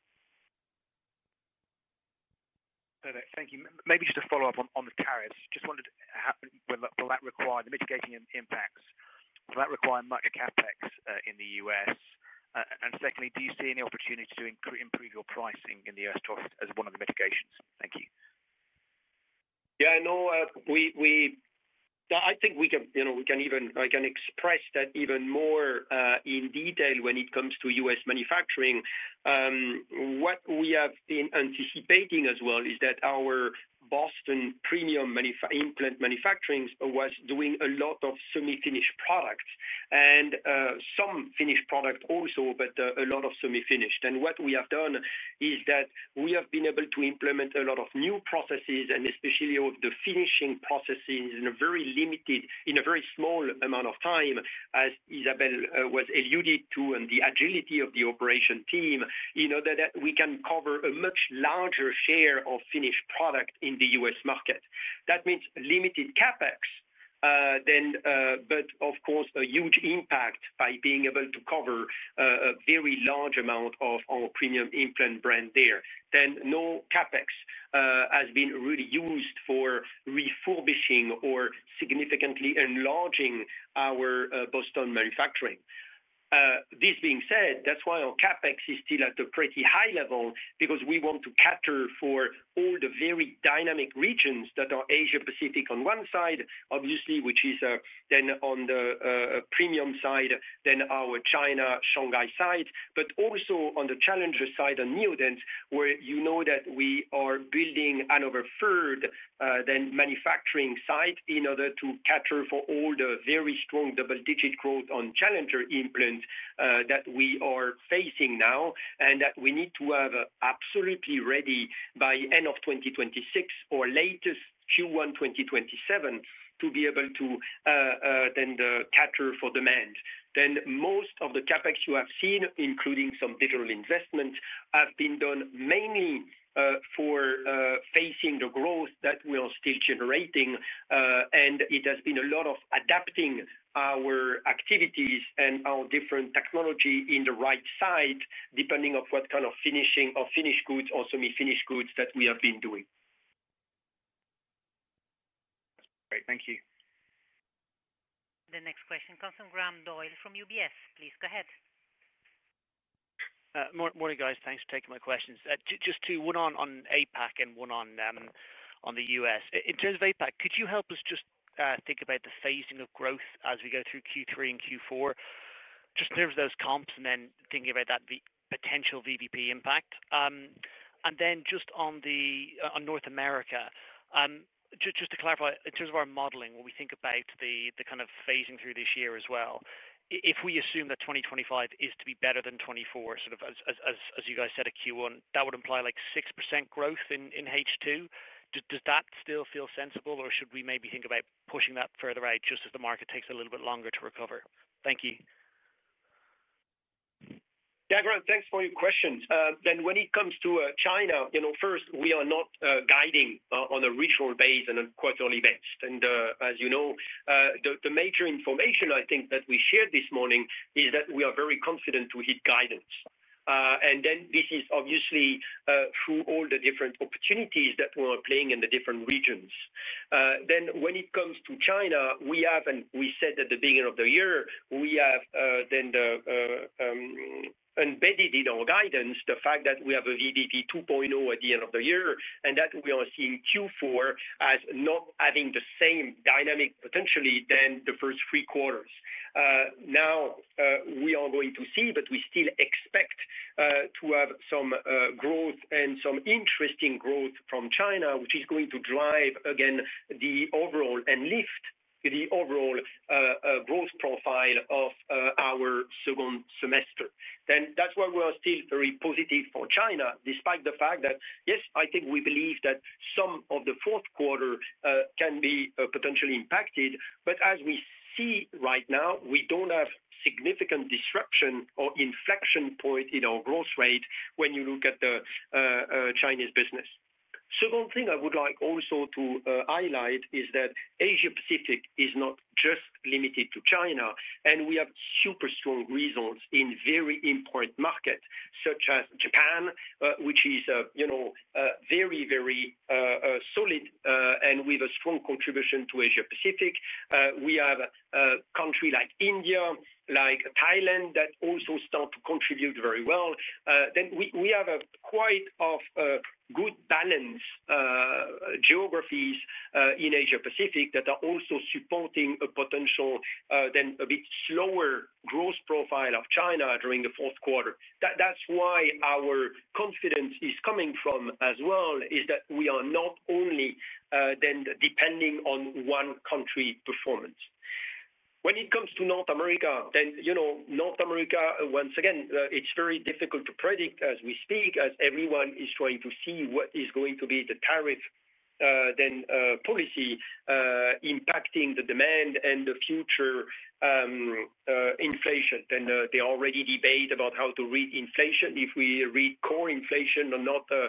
Perfect. Thank you. Maybe just a follow-up on the tariffs. Just wondered, will that require the mitigating impacts? Will that require micro-CapEx in the U.S.? Secondly, do you see any opportunity to improve your pricing in the U.S. as one of the mitigations? Thank you. Yeah, no, I think we can, you know, we can even, I can express that even more in detail when it comes to U.S. manufacturing. What we have been anticipating as well is that our Boston premium implant manufacturing was doing a lot of semi-finished products and some finished products also, but a lot of semi-finished. What we have done is that we have been able to implement a lot of new processes and especially of the finishing processes in a very limited, in a very small amount of time, as Isabelle was alluding to, and the agility of the operation team, in order that we can cover a much larger share of finished products in the U.S. market. That means limited CapEx, but of course, a huge impact by being able to cover a very large amount of our premium implant brand there. No CapEx has been really used for refurbishing or significantly enlarging our Boston manufacturing. This being said, that's why our CapEx is still at a pretty high level because we want to cater for all the very dynamic regions that are Asia-Pacific on one side, obviously, which is then on the premium side, then our China, Shanghai side, but also on the Challenger side and Neodent, where you know that we are building another third manufacturing site in order to cater for all the very strong double-digit growth on Challenger implants that we are facing now and that we need to have absolutely ready by the end of 2026 or latest Q1 2027 to be able to then cater for demand. Most of the CapEx you have seen, including some digital investments, have been done mainly for facing the growth that we are still generating. It has been a lot of adapting our activities and our different technology in the right site, depending on what kind of finishing or finished goods or semi-finished goods that we have been doing. Great. Thank you. The next question comes from Graham Doyle from UBS. Please go ahead. Morning, guys. Thanks for taking my questions. Just two, one on APAC and one on the U.S. In terms of APAC, could you help us just think about the phasing of growth as we go through Q3 and Q4, just in terms of those comps and then thinking about that potential VBP impact? Just on North America, just to clarify, in terms of our modeling, when we think about the kind of phasing through this year as well, if we assume that 2025 is to be better than 2024, sort of as you guys said at Q1, that would imply like 6% growth in H2. Does that still feel sensible, or should we maybe think about pushing that further out just as the market takes a little bit longer to recover? Thank you. Yeah, Graham, thanks for your question. When it comes to China, first, we are not guiding on a ritual base and on quarterly bets. As you know, the major information I think that we shared this morning is that we are very confident to hit guidance. This is obviously through all the different opportunities that we are playing in the different regions. When it comes to China, we have, and we said at the beginning of the year, we have then embedded in our guidance the fact that we have a VBP 2.0 at the end of the year and that we are seeing Q4 as not having the same dynamic potentially as the first three quarters. We are going to see, but we still expect to have some growth and some interesting growth from China, which is going to drive, again, the overall and lift the overall growth profile of our second semester. That is why we are still very positive for China, despite the fact that, yes, I think we believe that some of the fourth quarter can be potentially impacted. As we see right now, we do not have significant disruption or inflection point in our growth rate when you look at the Chinese business. The second thing I would also like to highlight is that Asia-Pacific is not just limited to China. We have super strong results in very important markets such as Japan, which is, you know, very, very solid and with a strong contribution to Asia-Pacific. We have a country like India, like Thailand that also start to contribute very well. We have quite a good balance of geographies in Asia-Pacific that are also supporting a potential then a bit slower growth profile of China during the fourth quarter. That is where our confidence is coming from as well, that we are not only then depending on one country's performance. When it comes to North America, you know, North America, once again, it is very difficult to predict as we speak, as everyone is trying to see what is going to be the tariff policy impacting the demand and the future inflation. They already debate about how to read inflation, if we read core inflation or not the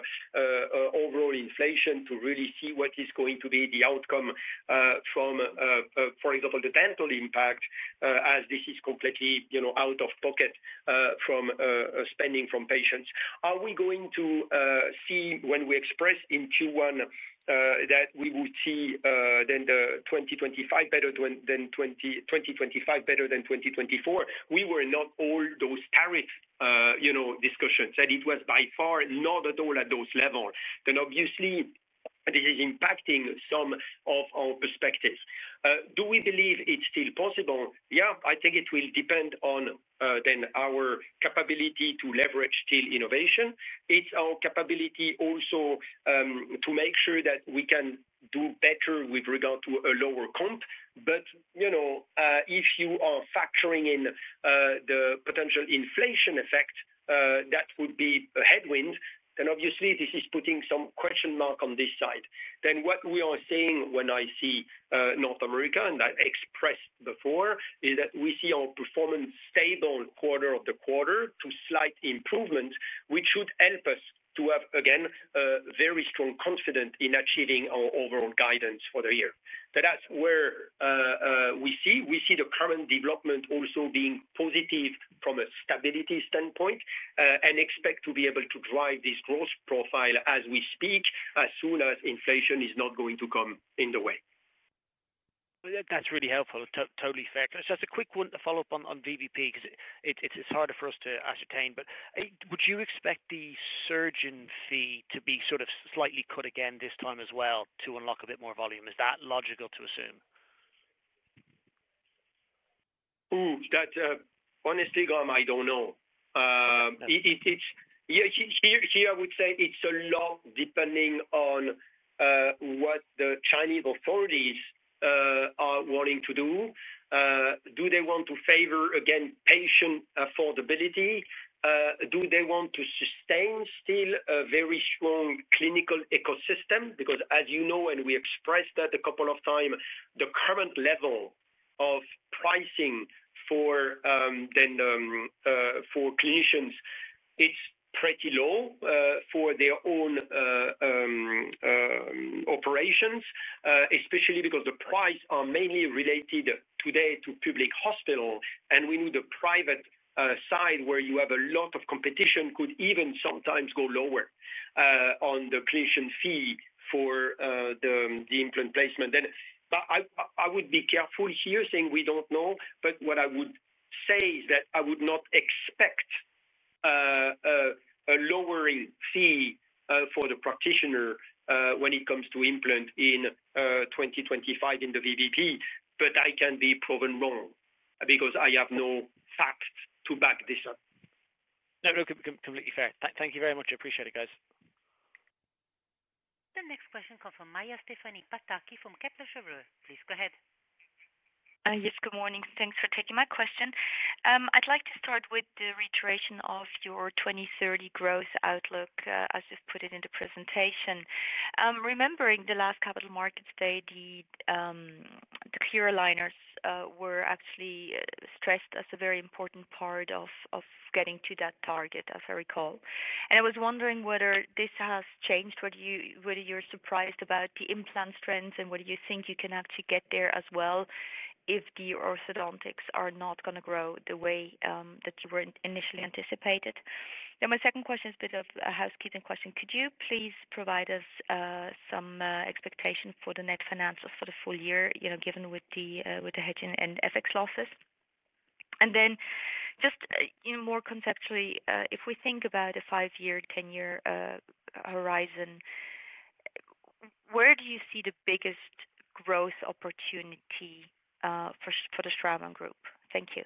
overall inflation to really see what is going to be the outcome from, for example, the dental impact as this is completely, you know, out of pocket from spending from patients. Are we going to see when we expressed in Q1 that we would see then 2025 better than 2024? We were not all those tariff, you know, discussions, and it was by far not at all at those levels. Obviously, this is impacting some of our perspectives. Do we believe it's still possible? Yeah, I think it will depend on our capability to leverage still innovation. It's our capability also to make sure that we can do better with regard to a lower comp. If you are factoring in the potential inflation effect, that would be a headwind. Obviously, this is putting some question mark on this side. What we are seeing when I see North America, and I expressed before, is that we see our performance stable quarter over quarter to slight improvement, which should help us to have, again, a very strong confidence in achieving our overall guidance for the year. That's where we see. We see the current development also being positive from a stability standpoint and expect to be able to drive this growth profile as we speak as soon as inflation is not going to come in the way. That's really helpful. Totally fair. Just a quick one to follow up on VBP because it's harder for us to ascertain. Would you expect the surgeon fee to be sort of slightly cut again this time as well to unlock a bit more volume? Is that logical to assume? Honestly, Graham, I don't know. Here, I would say it's a lot depending on what the Chinese authorities are wanting to do. Do they want to favor, again, patient affordability? Do they want to sustain still a very strong clinical ecosystem? As you know, and we expressed that a couple of times, the current level of pricing for clinicians is pretty low for their own operations, especially because the prices are mainly related today to public hospitals. We know the private side, where you have a lot of competition, could even sometimes go lower on the clinician fee for the implant placement. I would be careful here saying we don't know. What I would say is that I would not expect a lowering fee for the practitioner when it comes to implants in 2025 in the VBP. That can be proven wrong because I have no facts to back this up. No, completely fair. Thank you very much. I appreciate it, guys. The next question comes from Maja Stefani Pataki from Kepler Cheuvreux. Please go ahead. Yes, good morning. Thanks for taking my question. I'd like to start with the reiteration of your 2030 growth outlook, as you've put it in the presentation. Remembering the last Capital Markets Day, the clear aligners were actually stressed as a very important part of getting to that target, as I recall. I was wondering whether this has changed, whether you're surprised about the implant strengths, and whether you think you can actually get there as well if the orthodontics are not going to grow the way that you were initially anticipated. My second question is a bit of a housekeeping question. Could you please provide us some expectations for the net financials for the full year, given the hedging and FX losses? More conceptually, if we think about a five-year, 10-year horizon, where do you see the biggest growth opportunity for the Straumann Group? Thank you.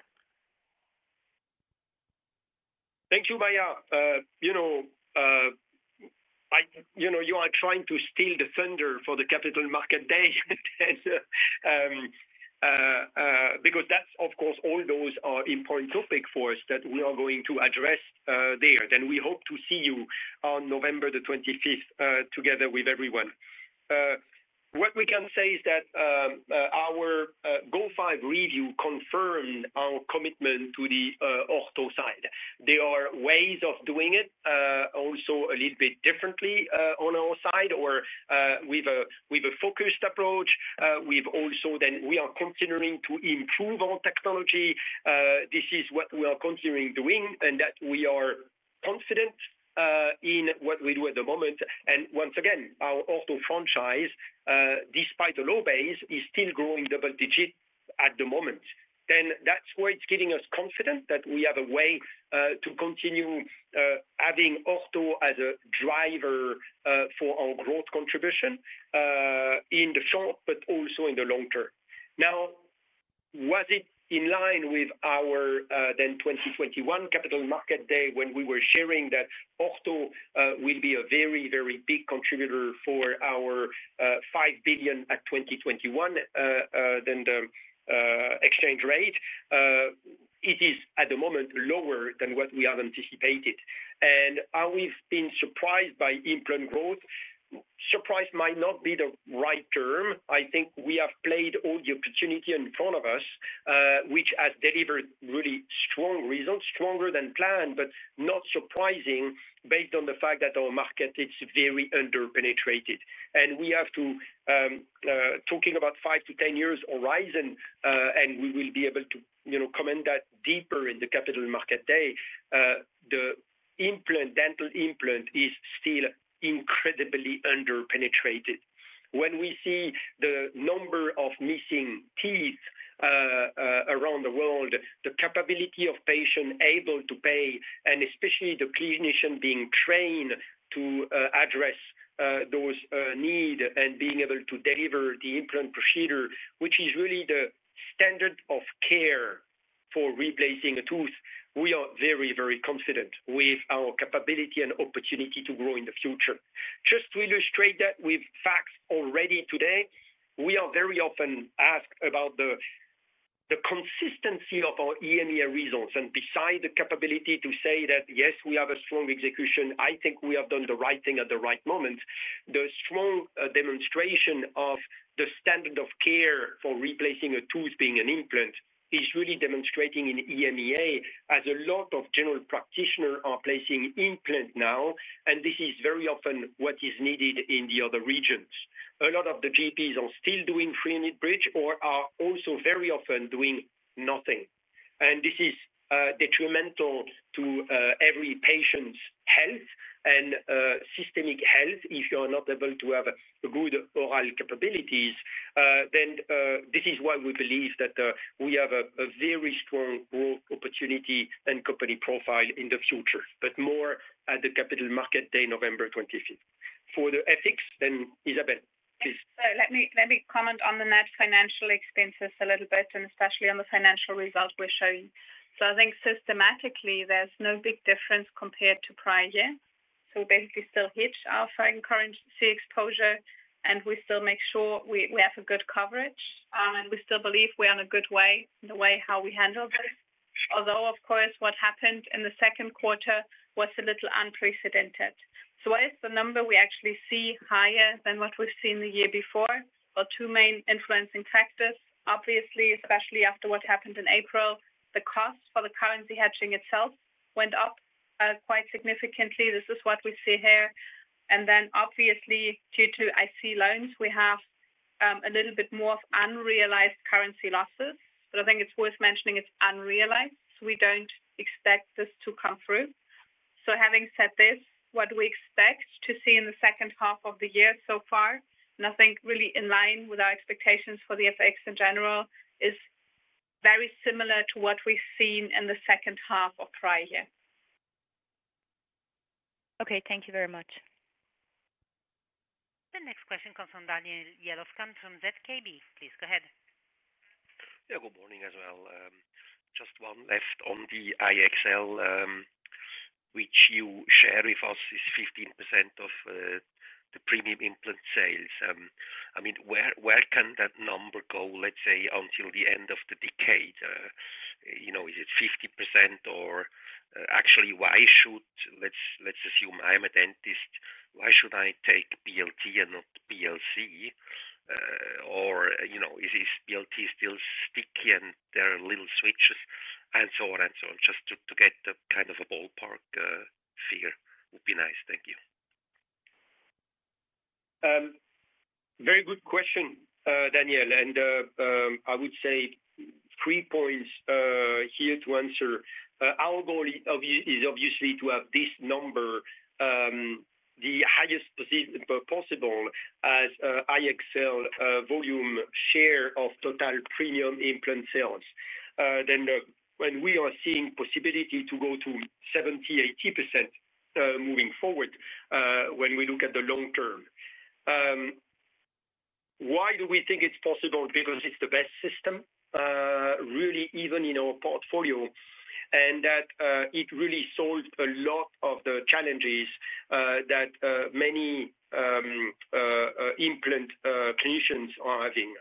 Thank you, Maja. You know, you are trying to steal the thunder for the Capital Markets Day because that's, of course, all those are important topics for us that we are going to address there. We hope to see you on November 25th together with everyone. What we can say is that our GoFive review confirmed our commitment to the ortho side. There are ways of doing it also a little bit differently on our side, or with a focused approach. We are continuing to improve our technology. This is what we are continuing doing and that we are confident in what we do at the moment. Once again, our ortho franchise, despite a low base, is still growing double digits at the moment. That's why it's giving us confidence that we have a way to continue having ortho as a driver for our growth contribution in the short, but also in the long term. Now, was it in line with our then 2021 Capital Markets Day when we were sharing that ortho will be a very, very big contributor for our 5 billion at 2021 then the exchange rate? It is at the moment lower than what we have anticipated. Are we being surprised by implant growth? Surprised might not be the right term. I think we have played all the opportunity in front of us, which has delivered really strong results, stronger than planned, but not surprising based on the fact that our market is very underpenetrated. We have to, talking about five to ten years horizon, and we will be able to comment that deeper in the Capital Markets Day, the dental implant is still incredibly underpenetrated. When we see the number of missing teeth around the world, the capability of patients able to pay, and especially the clinician being trained to address those needs and being able to deliver the implant procedure, which is really the standard of care for replacing a tooth, we are very, very confident. Our capability and opportunity to grow in the future. Just to illustrate that with facts, already today, we are very often asked about the consistency of our EMEA regions. Beside the capability to say that, yes, we have a strong execution, I think we have done the right thing at the right moment. The strong demonstration of the standard of care for replacing a tooth being an implant is really demonstrating in EMEA, as a lot of general practitioners are placing implants now. This is very often what is needed in the other regions. A lot of the GPs are still doing free unit bridge or are also very often doing nothing. This is detrimental to every patient's health and systemic health if you are not able to have good oral capabilities. This is why we believe that we have a very strong growth opportunity and company profile in the future. More at the Capital Market Day, November 25th. For the ethics, Isabelle, please. Let me comment on the net financial expenses a little bit and especially on the financial result we're showing. I think systematically there's no big difference compared to prior year. We basically still hit our foreign currency exposure and we still make sure we have a good coverage and we still believe we're on a good way in the way how we handle this. Although, of course, what happened in the second quarter was a little unprecedented. Why is the number we actually see higher than what we've seen the year before? Two main influencing factors, obviously, especially after what happened in April, the cost for the currency hedging itself went up quite significantly. This is what we see here. Then obviously due to IC loans, we have a little bit more of unrealized currency losses. I think it's worth mentioning it's unrealized. We don't expect this to come through. Having said this, what we expect to see in the second half of the year so far, and I think really in line with our expectations for the FX in general, is very similar to what we've seen in the second half of prior year. Okay, thank you very much. The next question comes from Daniel Jelovcan from ZKB. Please go ahead. Yeah, good morning as well. Just one left on the iEXCEL, which you shared with us is 15% of the premium implant sales. Where can that number go, let's say, until the end of the decade? Is it 50% or actually, why should, let's assume I'm a dentist, why should I take BLT and not BLC? Is BLT still sticky and there are little switches and so on and so on? Just to get the kind of a ballpark figure would be nice. Thank you. Very good question, Daniel. I would say three points here to answer. Our goal is obviously to have this number, the highest possible as iEXCEL volume share of total premium implant sales. We are seeing the possibility to go to 70, 80% moving forward when we look at the long term. Why do we think it's possible? Because it's the best system, really, even in our portfolio, and it really solves a lot of the challenges that many implant clinicians are having.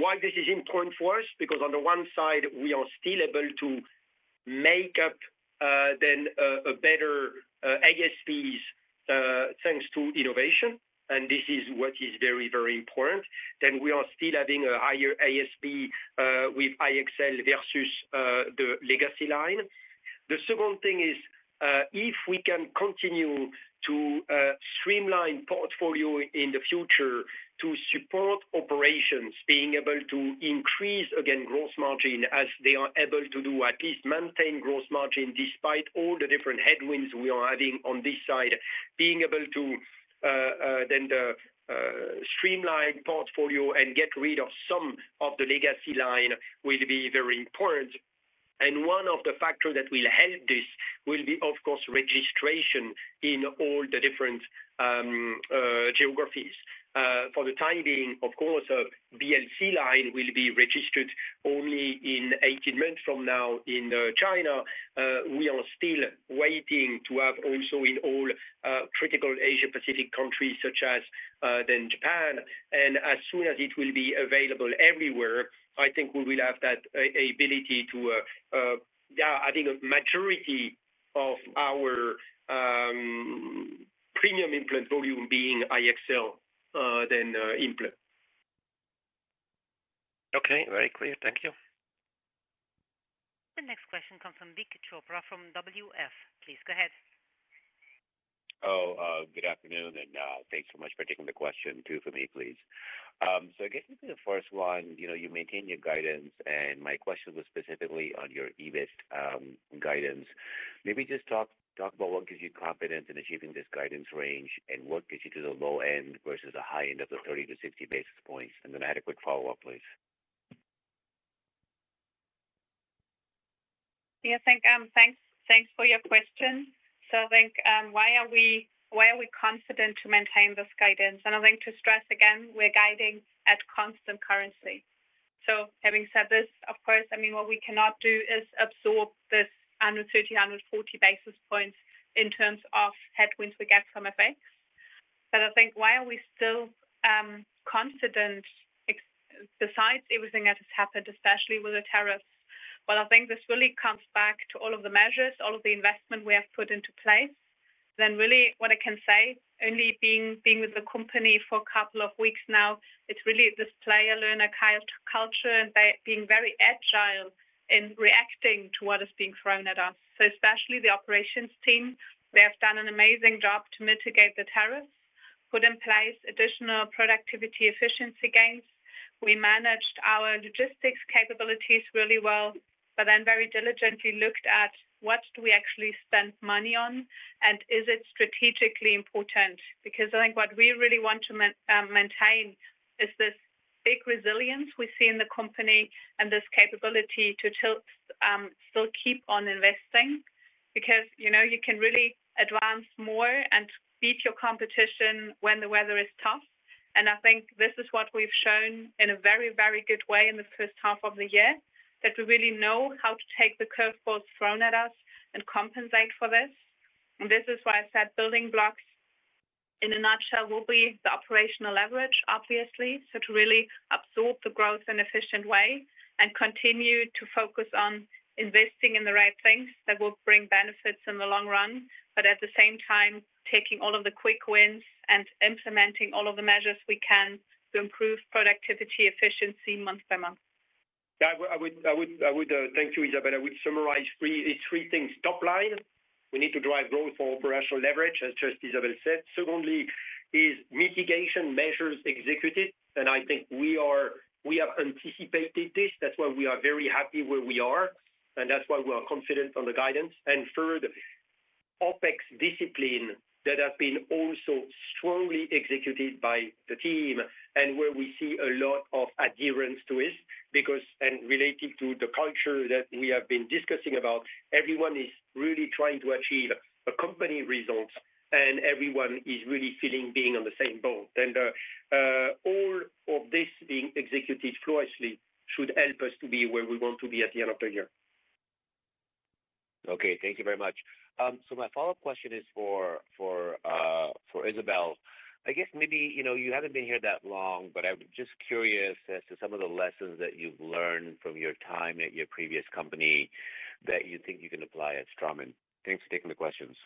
Why this is important for us? On the one side, we are still able to make up then a better ASPs thanks to innovation. This is what is very, very important. We are still having a higher ASP with iEXCEL versus the legacy line. The second thing is if we can continue to streamline portfolio in the future to support operations, being able to increase, again, gross margin as they are able to do, at least maintain gross margin despite all the different headwinds we are having on this side, being able to then streamline portfolio and get rid of some of the legacy line will be very important. One of the factors that will help this will be, of course, registration in all the different geographies. For the time being, of course, BLC-Line will be registered only in 18 months from now in China. We are still waiting to have also in all critical Asia-Pacific countries such as then Japan. As soon as it will be available everywhere, I think we will have that ability to, yeah, I think a majority of our premium implant volume being iEXCEL then implant. Okay, very clear. Thank you. The next question comes from Vik Chopra from WF. Please go ahead. Good afternoon and thanks so much for taking the question for me, please. I guess maybe the first one, you know, you maintain your guidance and my question was specifically on your EBIT guidance. Maybe just talk about what gives you confidence in achieving this guidance range and what gets you to the low end versus the high end of the 30-60 basis points and then adequate follow-up, please. Yes, I think thanks for your question. I think why are we confident to maintain this guidance? I think to stress again, we're guiding at constant currency. Having said this, of course, what we cannot do is absorb this 130, 140 basis points in terms of headwinds we get from FX. I think why are we still confident, besides everything that has happened, especially with the tariffs? This really comes back to all of the measures, all of the investment we have put into place. What I can say, only being with the company for a couple of weeks now, it's really this player-learner culture and being very agile in reacting to what is being thrown at us. Especially the operations team, they have done an amazing job to mitigate the tariffs, put in place additional productivity efficiency gains. We managed our logistics capabilities really well, but then very diligently looked at what do we actually spend money on and is it strategically important? I think what we really want to maintain is this big resilience we see in the company and this capability to still keep on investing because you know, you can really advance more and beat your competition when the weather is tough. I think this is what we've shown in a very, very good way in the first half of the year that we really know how to take the curveballs thrown at us and compensate for this. This is why I said building blocks in a nutshell will be the operational leverage, obviously. To really absorb the growth in an efficient way and continue to focus on investing in the right things that will bring benefits in the long run, but at the same time taking all of the quick wins and implementing all of the measures we can to improve productivity efficiency month by month. Thank you, Isabelle. I would summarize three things. Top line, we need to drive growth for operational leverage, as just Isabelle said. Secondly, mitigation measures executed. I think we have anticipated this. That's why we are very happy where we are. That's why we are confident on the guidance. Third, OpEx discipline that has been also strongly executed by the team and where we see a lot of adherence to it, relating to the culture that we have been discussing. Everyone is really trying to achieve a company result and everyone is really feeling being on the same boat. All of this being executed flawlessly should help us to be where we want to be at the end of the year. Okay, thank you very much. My follow-up question is for Isabelle. I guess maybe you know, you haven't been here that long, but I'm just curious as to some of the lessons that you've learned from your time at your previous company that you think you can apply at Straumann. Thanks for taking the questions.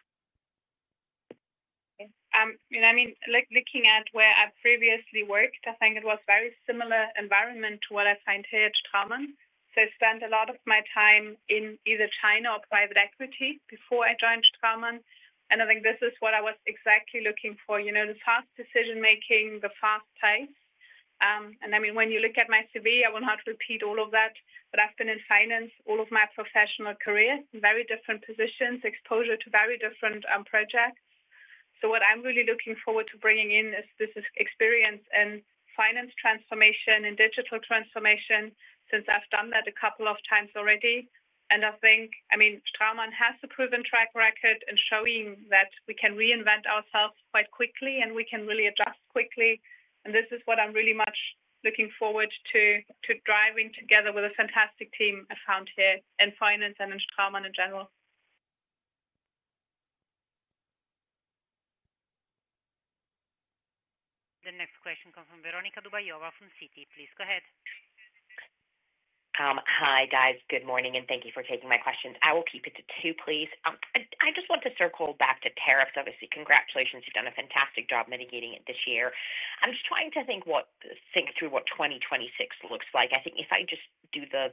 I mean, looking at where I previously worked, I think it was a very similar environment to what I find here at Straumann. I spent a lot of my time in either China or private equity before I joined Straumann. I think this is what I was exactly looking for. You know, the fast decision-making, the fast pace. When you look at my CV, I will not repeat all of that, but I've been in finance all of my professional career in very different positions, exposure to very different projects. What I'm really looking forward to bringing in is this experience in finance transformation and digital transformation since I've done that a couple of times already. I think Straumann has a proven track record in showing that we can reinvent ourselves quite quickly and we can really adjust quickly. This is what I'm really much looking forward to, to driving together with a fantastic team I found here in finance and in Straumann in general. The next question comes from Veronika Dubajova from Citi. Please go ahead. Hi guys, good morning and thank you for taking my question. I will keep it to two, please. I just want to circle back to tariffs, obviously. Congratulations, you've done a fantastic job mitigating it this year. I'm just trying to think through what 2026 looks like. I think if I just do the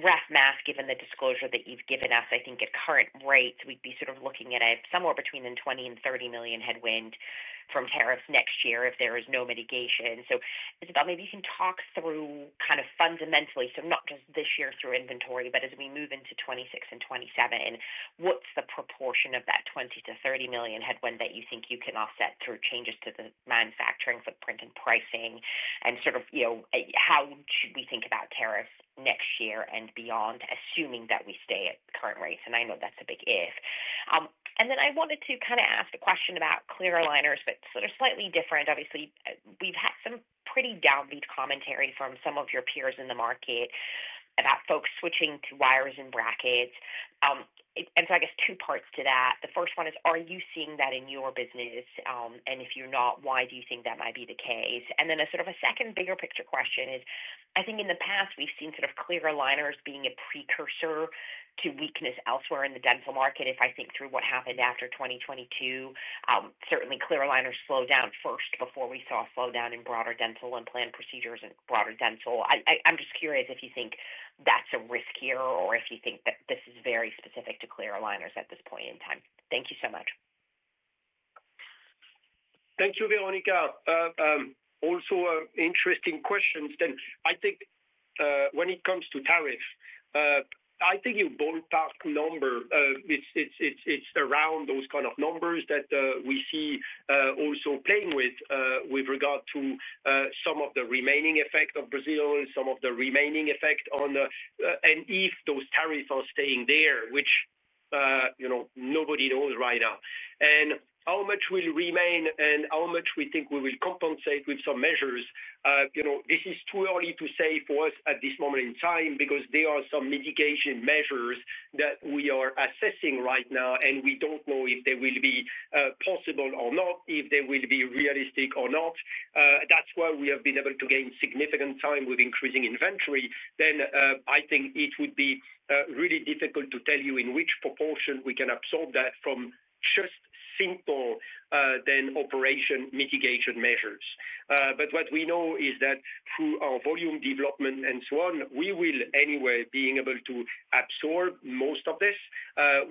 rough math, given the disclosure that you've given us, I think at current rates we'd be sort of looking at somewhere between $20 million and $30 million headwind from tariffs next year if there is no mitigation. Isabelle, maybe you can talk through kind of fundamentally, so not just this year through inventory, but as we move into 2026 and 2027, what's the proportion of that $20 million to $30 million headwind that you think you can offset through changes to the manufacturing footprint and pricing and sort of, you know, how should we think about tariffs next year and beyond, assuming that we stay at current rates? I know that's a big if. I wanted to kind of ask a question about clear aligners, but sort of slightly different. Obviously we've had some pretty downbeat commentary from some of your peers in the market about folks switching to wires and brackets. I guess two parts to that. The first one is, are you seeing that in your business? If you're not, why do you think that might be the case? Then a sort of a second bigger picture question is, I think in the past we've seen sort of clear aligners being a precursor to weakness elsewhere in the dental market. If I think through what happened after 2022, certainly clear aligners slowed down first before we saw a slowdown in broader dental implant procedures and broader dental. I'm just curious if you think that's a risk here or if you think that this is very specific to clear aligners at this point in time. Thank you so much. Thank you, Veronika. Also, interesting questions. When it comes to tariffs, I think you ballpark number. It's around those kind of numbers that we see also playing with regard to some of the remaining effect of Brazil, some of the remaining effect on, and if those tariffs are staying there, which you know nobody knows right now. How much will remain and how much we think we will compensate with some measures, you know, this is too early to say for us at this moment in time because there are some mitigation measures that we are assessing right now and we don't know if they will be possible or not, if they will be realistic or not. That's why we have been able to gain significant time with increasing inventory. I think it would be really difficult to tell you in which proportion we can absorb that from just simple operation mitigation measures. What we know is that through our volume development and so on, we will anyway be able to absorb most of this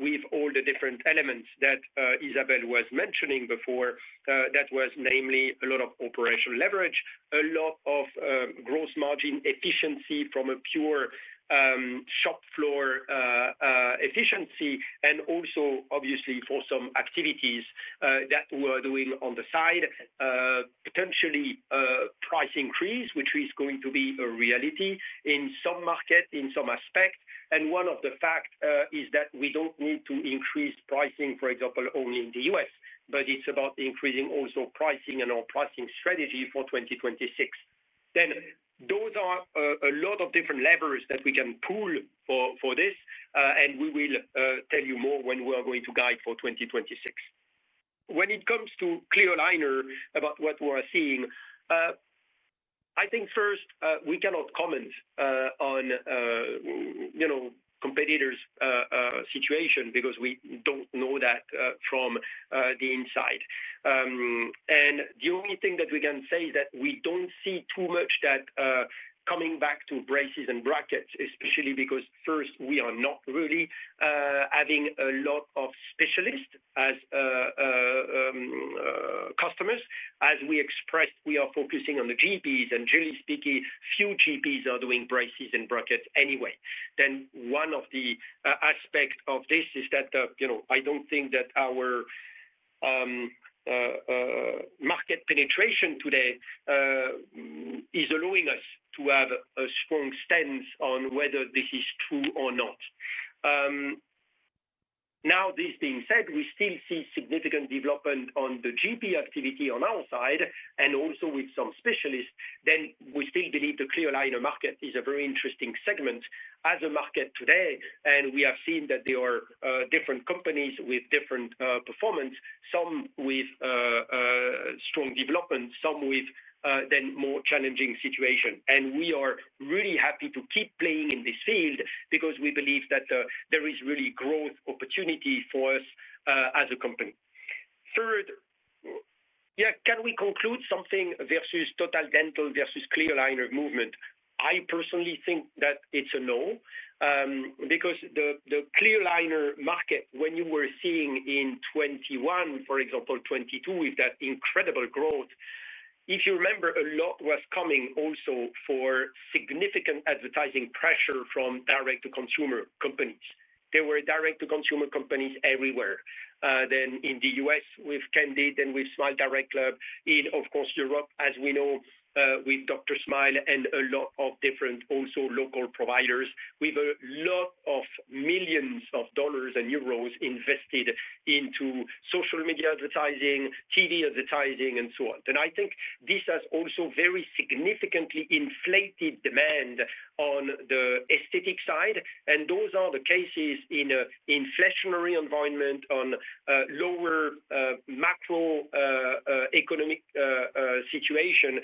with all the different elements that Isabelle was mentioning before. That was namely a lot of operational leverage, a lot of gross margin efficiency from a pure shop floor efficiency, and also obviously for some activities that we are doing on the side, potentially price increase, which is going to be a reality in some markets in some aspects. One of the facts is that we don't need to increase pricing, for example, only in the U.S., but it's about increasing also pricing and our pricing strategy for 2026. Those are a lot of different levers that we can pull for this, and we will tell you more when we are going to guide for 2026. When it comes to clear aligners about what we're seeing, I think first we cannot comment on competitors' situation because we don't know that from the inside. The only thing that we can say is that we don't see too much that coming back to braces and brackets, especially because first we are not really having a lot of specialists as customers. As we expressed, we are focusing on the GPs, and generally speaking, few GPs are doing braces and brackets anyway. One of the aspects of this is that I don't think that our market penetration today is allowing us to have a strong stance on whether this is true or not. This being said, we still see significant development on the GP activity on our side and also with some specialists. We still believe the clear aligner market is a very interesting segment as a market today. We have seen that there are different companies with different performance, some with strong developments, some with more challenging situations. We are really happy to keep playing in this field because we believe that there is really growth opportunity for us as a company. Third, can we conclude something versus total dental versus clear aligner movement? I personally think that it's a no because the clear aligner market, when you were seeing in 2021, for example, 2022 with that incredible growth, if you remember, a lot was coming also from significant advertising pressure from direct-to-consumer companies. There were direct-to-consumer companies everywhere. In the U.S. with Candid and with Smile Direct Club, in Europe, as we know, with DrSmile and a lot of different also local providers with a lot of millions of dollars and euros invested into social media advertising, TV advertising, and so on. I think this has also very significantly inflated demand on the aesthetic side. Those are the cases in an inflationary environment on a lower macroeconomic situation.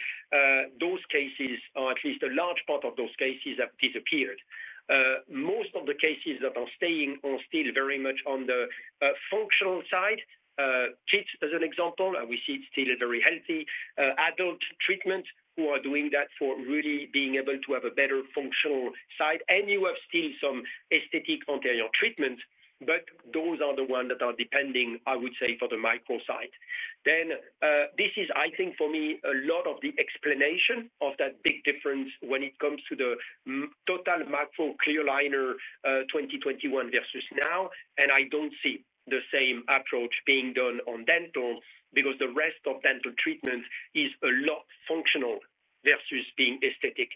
Those cases, or at least a large part of those cases, have disappeared. Most of the cases that are staying are still very much on the functional side. Kids as an example, and we see it's still very healthy. Adult treatments who are doing that for really being able to have a better functional side. You have still some aesthetic anterior treatments, but those are the ones that are depending, I would say, for the micro side. This is, I think, for me, a lot of the explanation of that big difference when it comes to the total macro clear aligner 2021 versus now. I don't see the same approach being done on dental because the rest of dental treatments is a lot functional versus being aesthetic.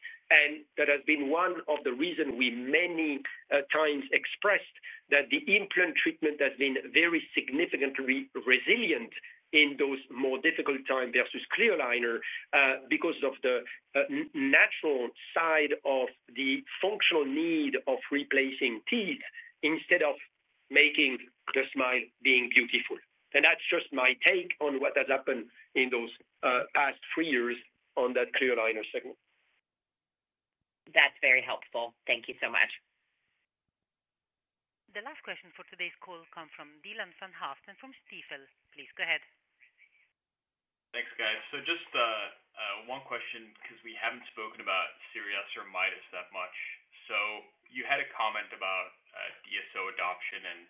That has been one of the reasons we many times expressed that the implant treatment has been very significantly resilient in those more difficult times versus clear aligner because of the natural side of the functional need of replacing teeth instead of making the smile being beautiful. That's just my take on what has happened in those past three years on that clear aligner segment. That's very helpful. Thank you so much. The last question for today's call comes from Dylan van Haaften from Stifel. Please go ahead. Thanks, guys. Just one question because we haven't spoken about SIRIOS or Midas that much. You had a comment about DSO adoption.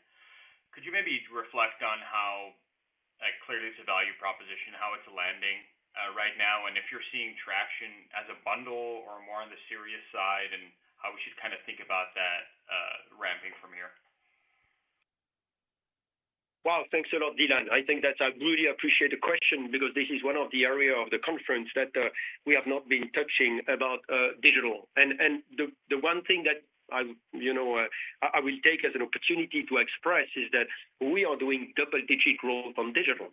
Could you maybe reflect on how clearly it's a value proposition, how it's landing right now, and if you're seeing traction as a bundle or more on the SIRIOS side, and how we should kind of think about that ramping from here? Wow, thanks a lot, Dylan. I think that's a really appreciated question because this is one of the areas of the conference that we have not been touching about digital. The one thing that I will take as an opportunity to express is that we are doing double-digit growth on digital.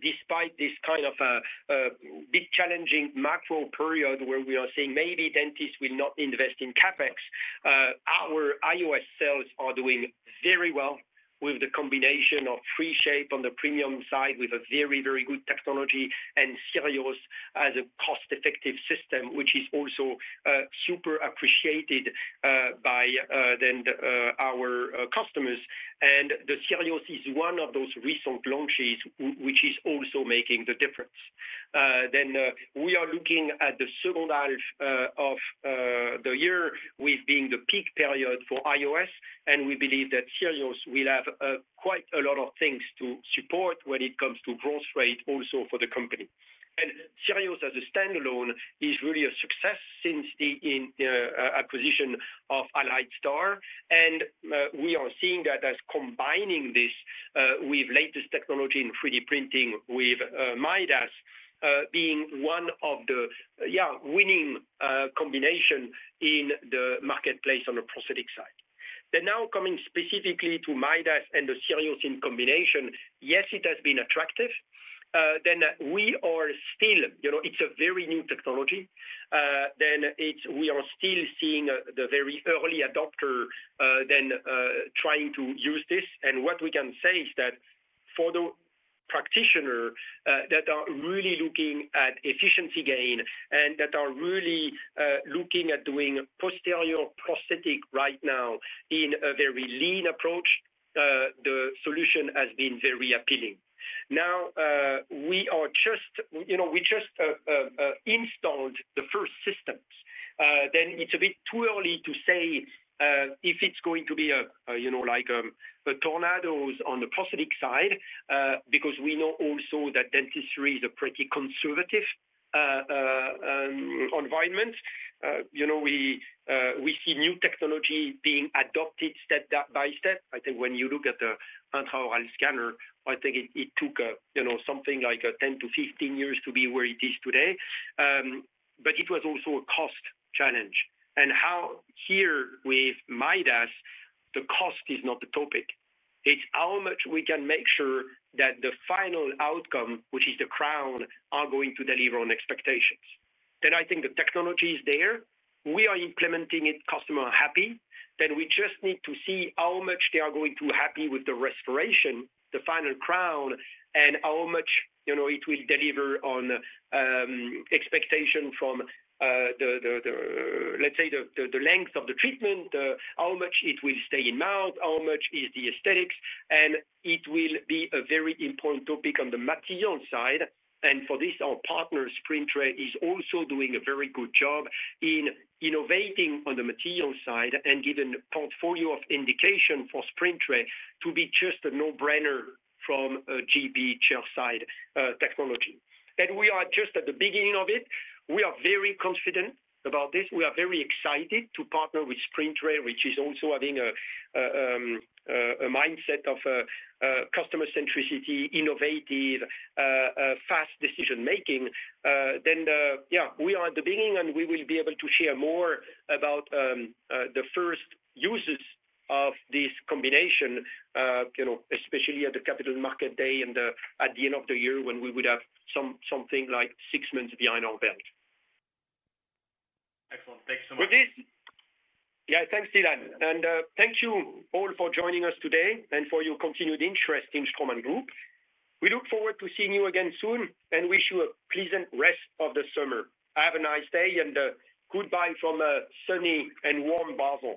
Despite this kind of a big challenging macro period where we are saying maybe dentists will not invest in CapEx, our iOS sales are doing very well with the combination of FreeShape on the premium side with a very, very good technology and SIRIOS as a cost-effective system, which is also super appreciated by our customers. SIRIOS is one of those recent launches which is also making the difference. We are looking at the second half of the year with being the peak period for iOS, and we believe that SIRIOS will have quite a lot of things to support when it comes to growth rate also for the company. SIRIOS as a standalone is really a success since the acquisition of AlliedStar. We are seeing that as combining this with latest technology in 3D printing with Midas being one of the winning combinations in the marketplace on the prosthetic side. Now coming specifically to Midas and the SIRIOS in combination, yes, it has been attractive. We are still, you know, it's a very new technology. We are still seeing the very early adopter then trying to use this. What we can say is that for the practitioners that are really looking at efficiency gain and that are really looking at doing posterior prosthetic right now in a very lean approach, the solution has been very appealing. We just installed the first systems. It's a bit too early to say if it's going to be a, you know, like a tornado on the prosthetic side because we know also that dentistry is a pretty conservative environment. We see new technology being adopted step by step. I think when you look at the intra-oral scanner, I think it took something like 10-15 years to be where it is today. It was also a cost challenge. Here with Midas, the cost is not the topic. It's how much we can make sure that the final outcome, which is the crown, is going to deliver on expectations. I think the technology is there. We are implementing it. Customers are happy. We just need to see how much they are going to be happy with the restoration, the final crown, and how much it will deliver on expectations from, let's say, the length of the treatment, how much it will stay in mouth, how much is the aesthetics. It will be a very important topic on the material side. For this, our partner SprintRay is also doing a very good job in innovating on the material side and giving a portfolio of indications for SprintRay to be just a no-brainer from a GB chairside technology. We are just at the beginning of it. We are very confident about this. We are very excited to partner with SprintRay, which is also having a mindset of customer centricity, innovative, fast decision-making. We are at the beginning and we will be able to share more about the first uses of this combination, especially at the Capital Markets Day and at the end of the year when we would have something like six months behind our belt. Excellent. Thanks so much. Yeah, thanks, Dylan. Thank you all for joining us today and for your continued interest in Straumann Group. We look forward to seeing you again soon and wish you a pleasant rest of the summer. Have a nice day and goodbye from a sunny and warm[bubble]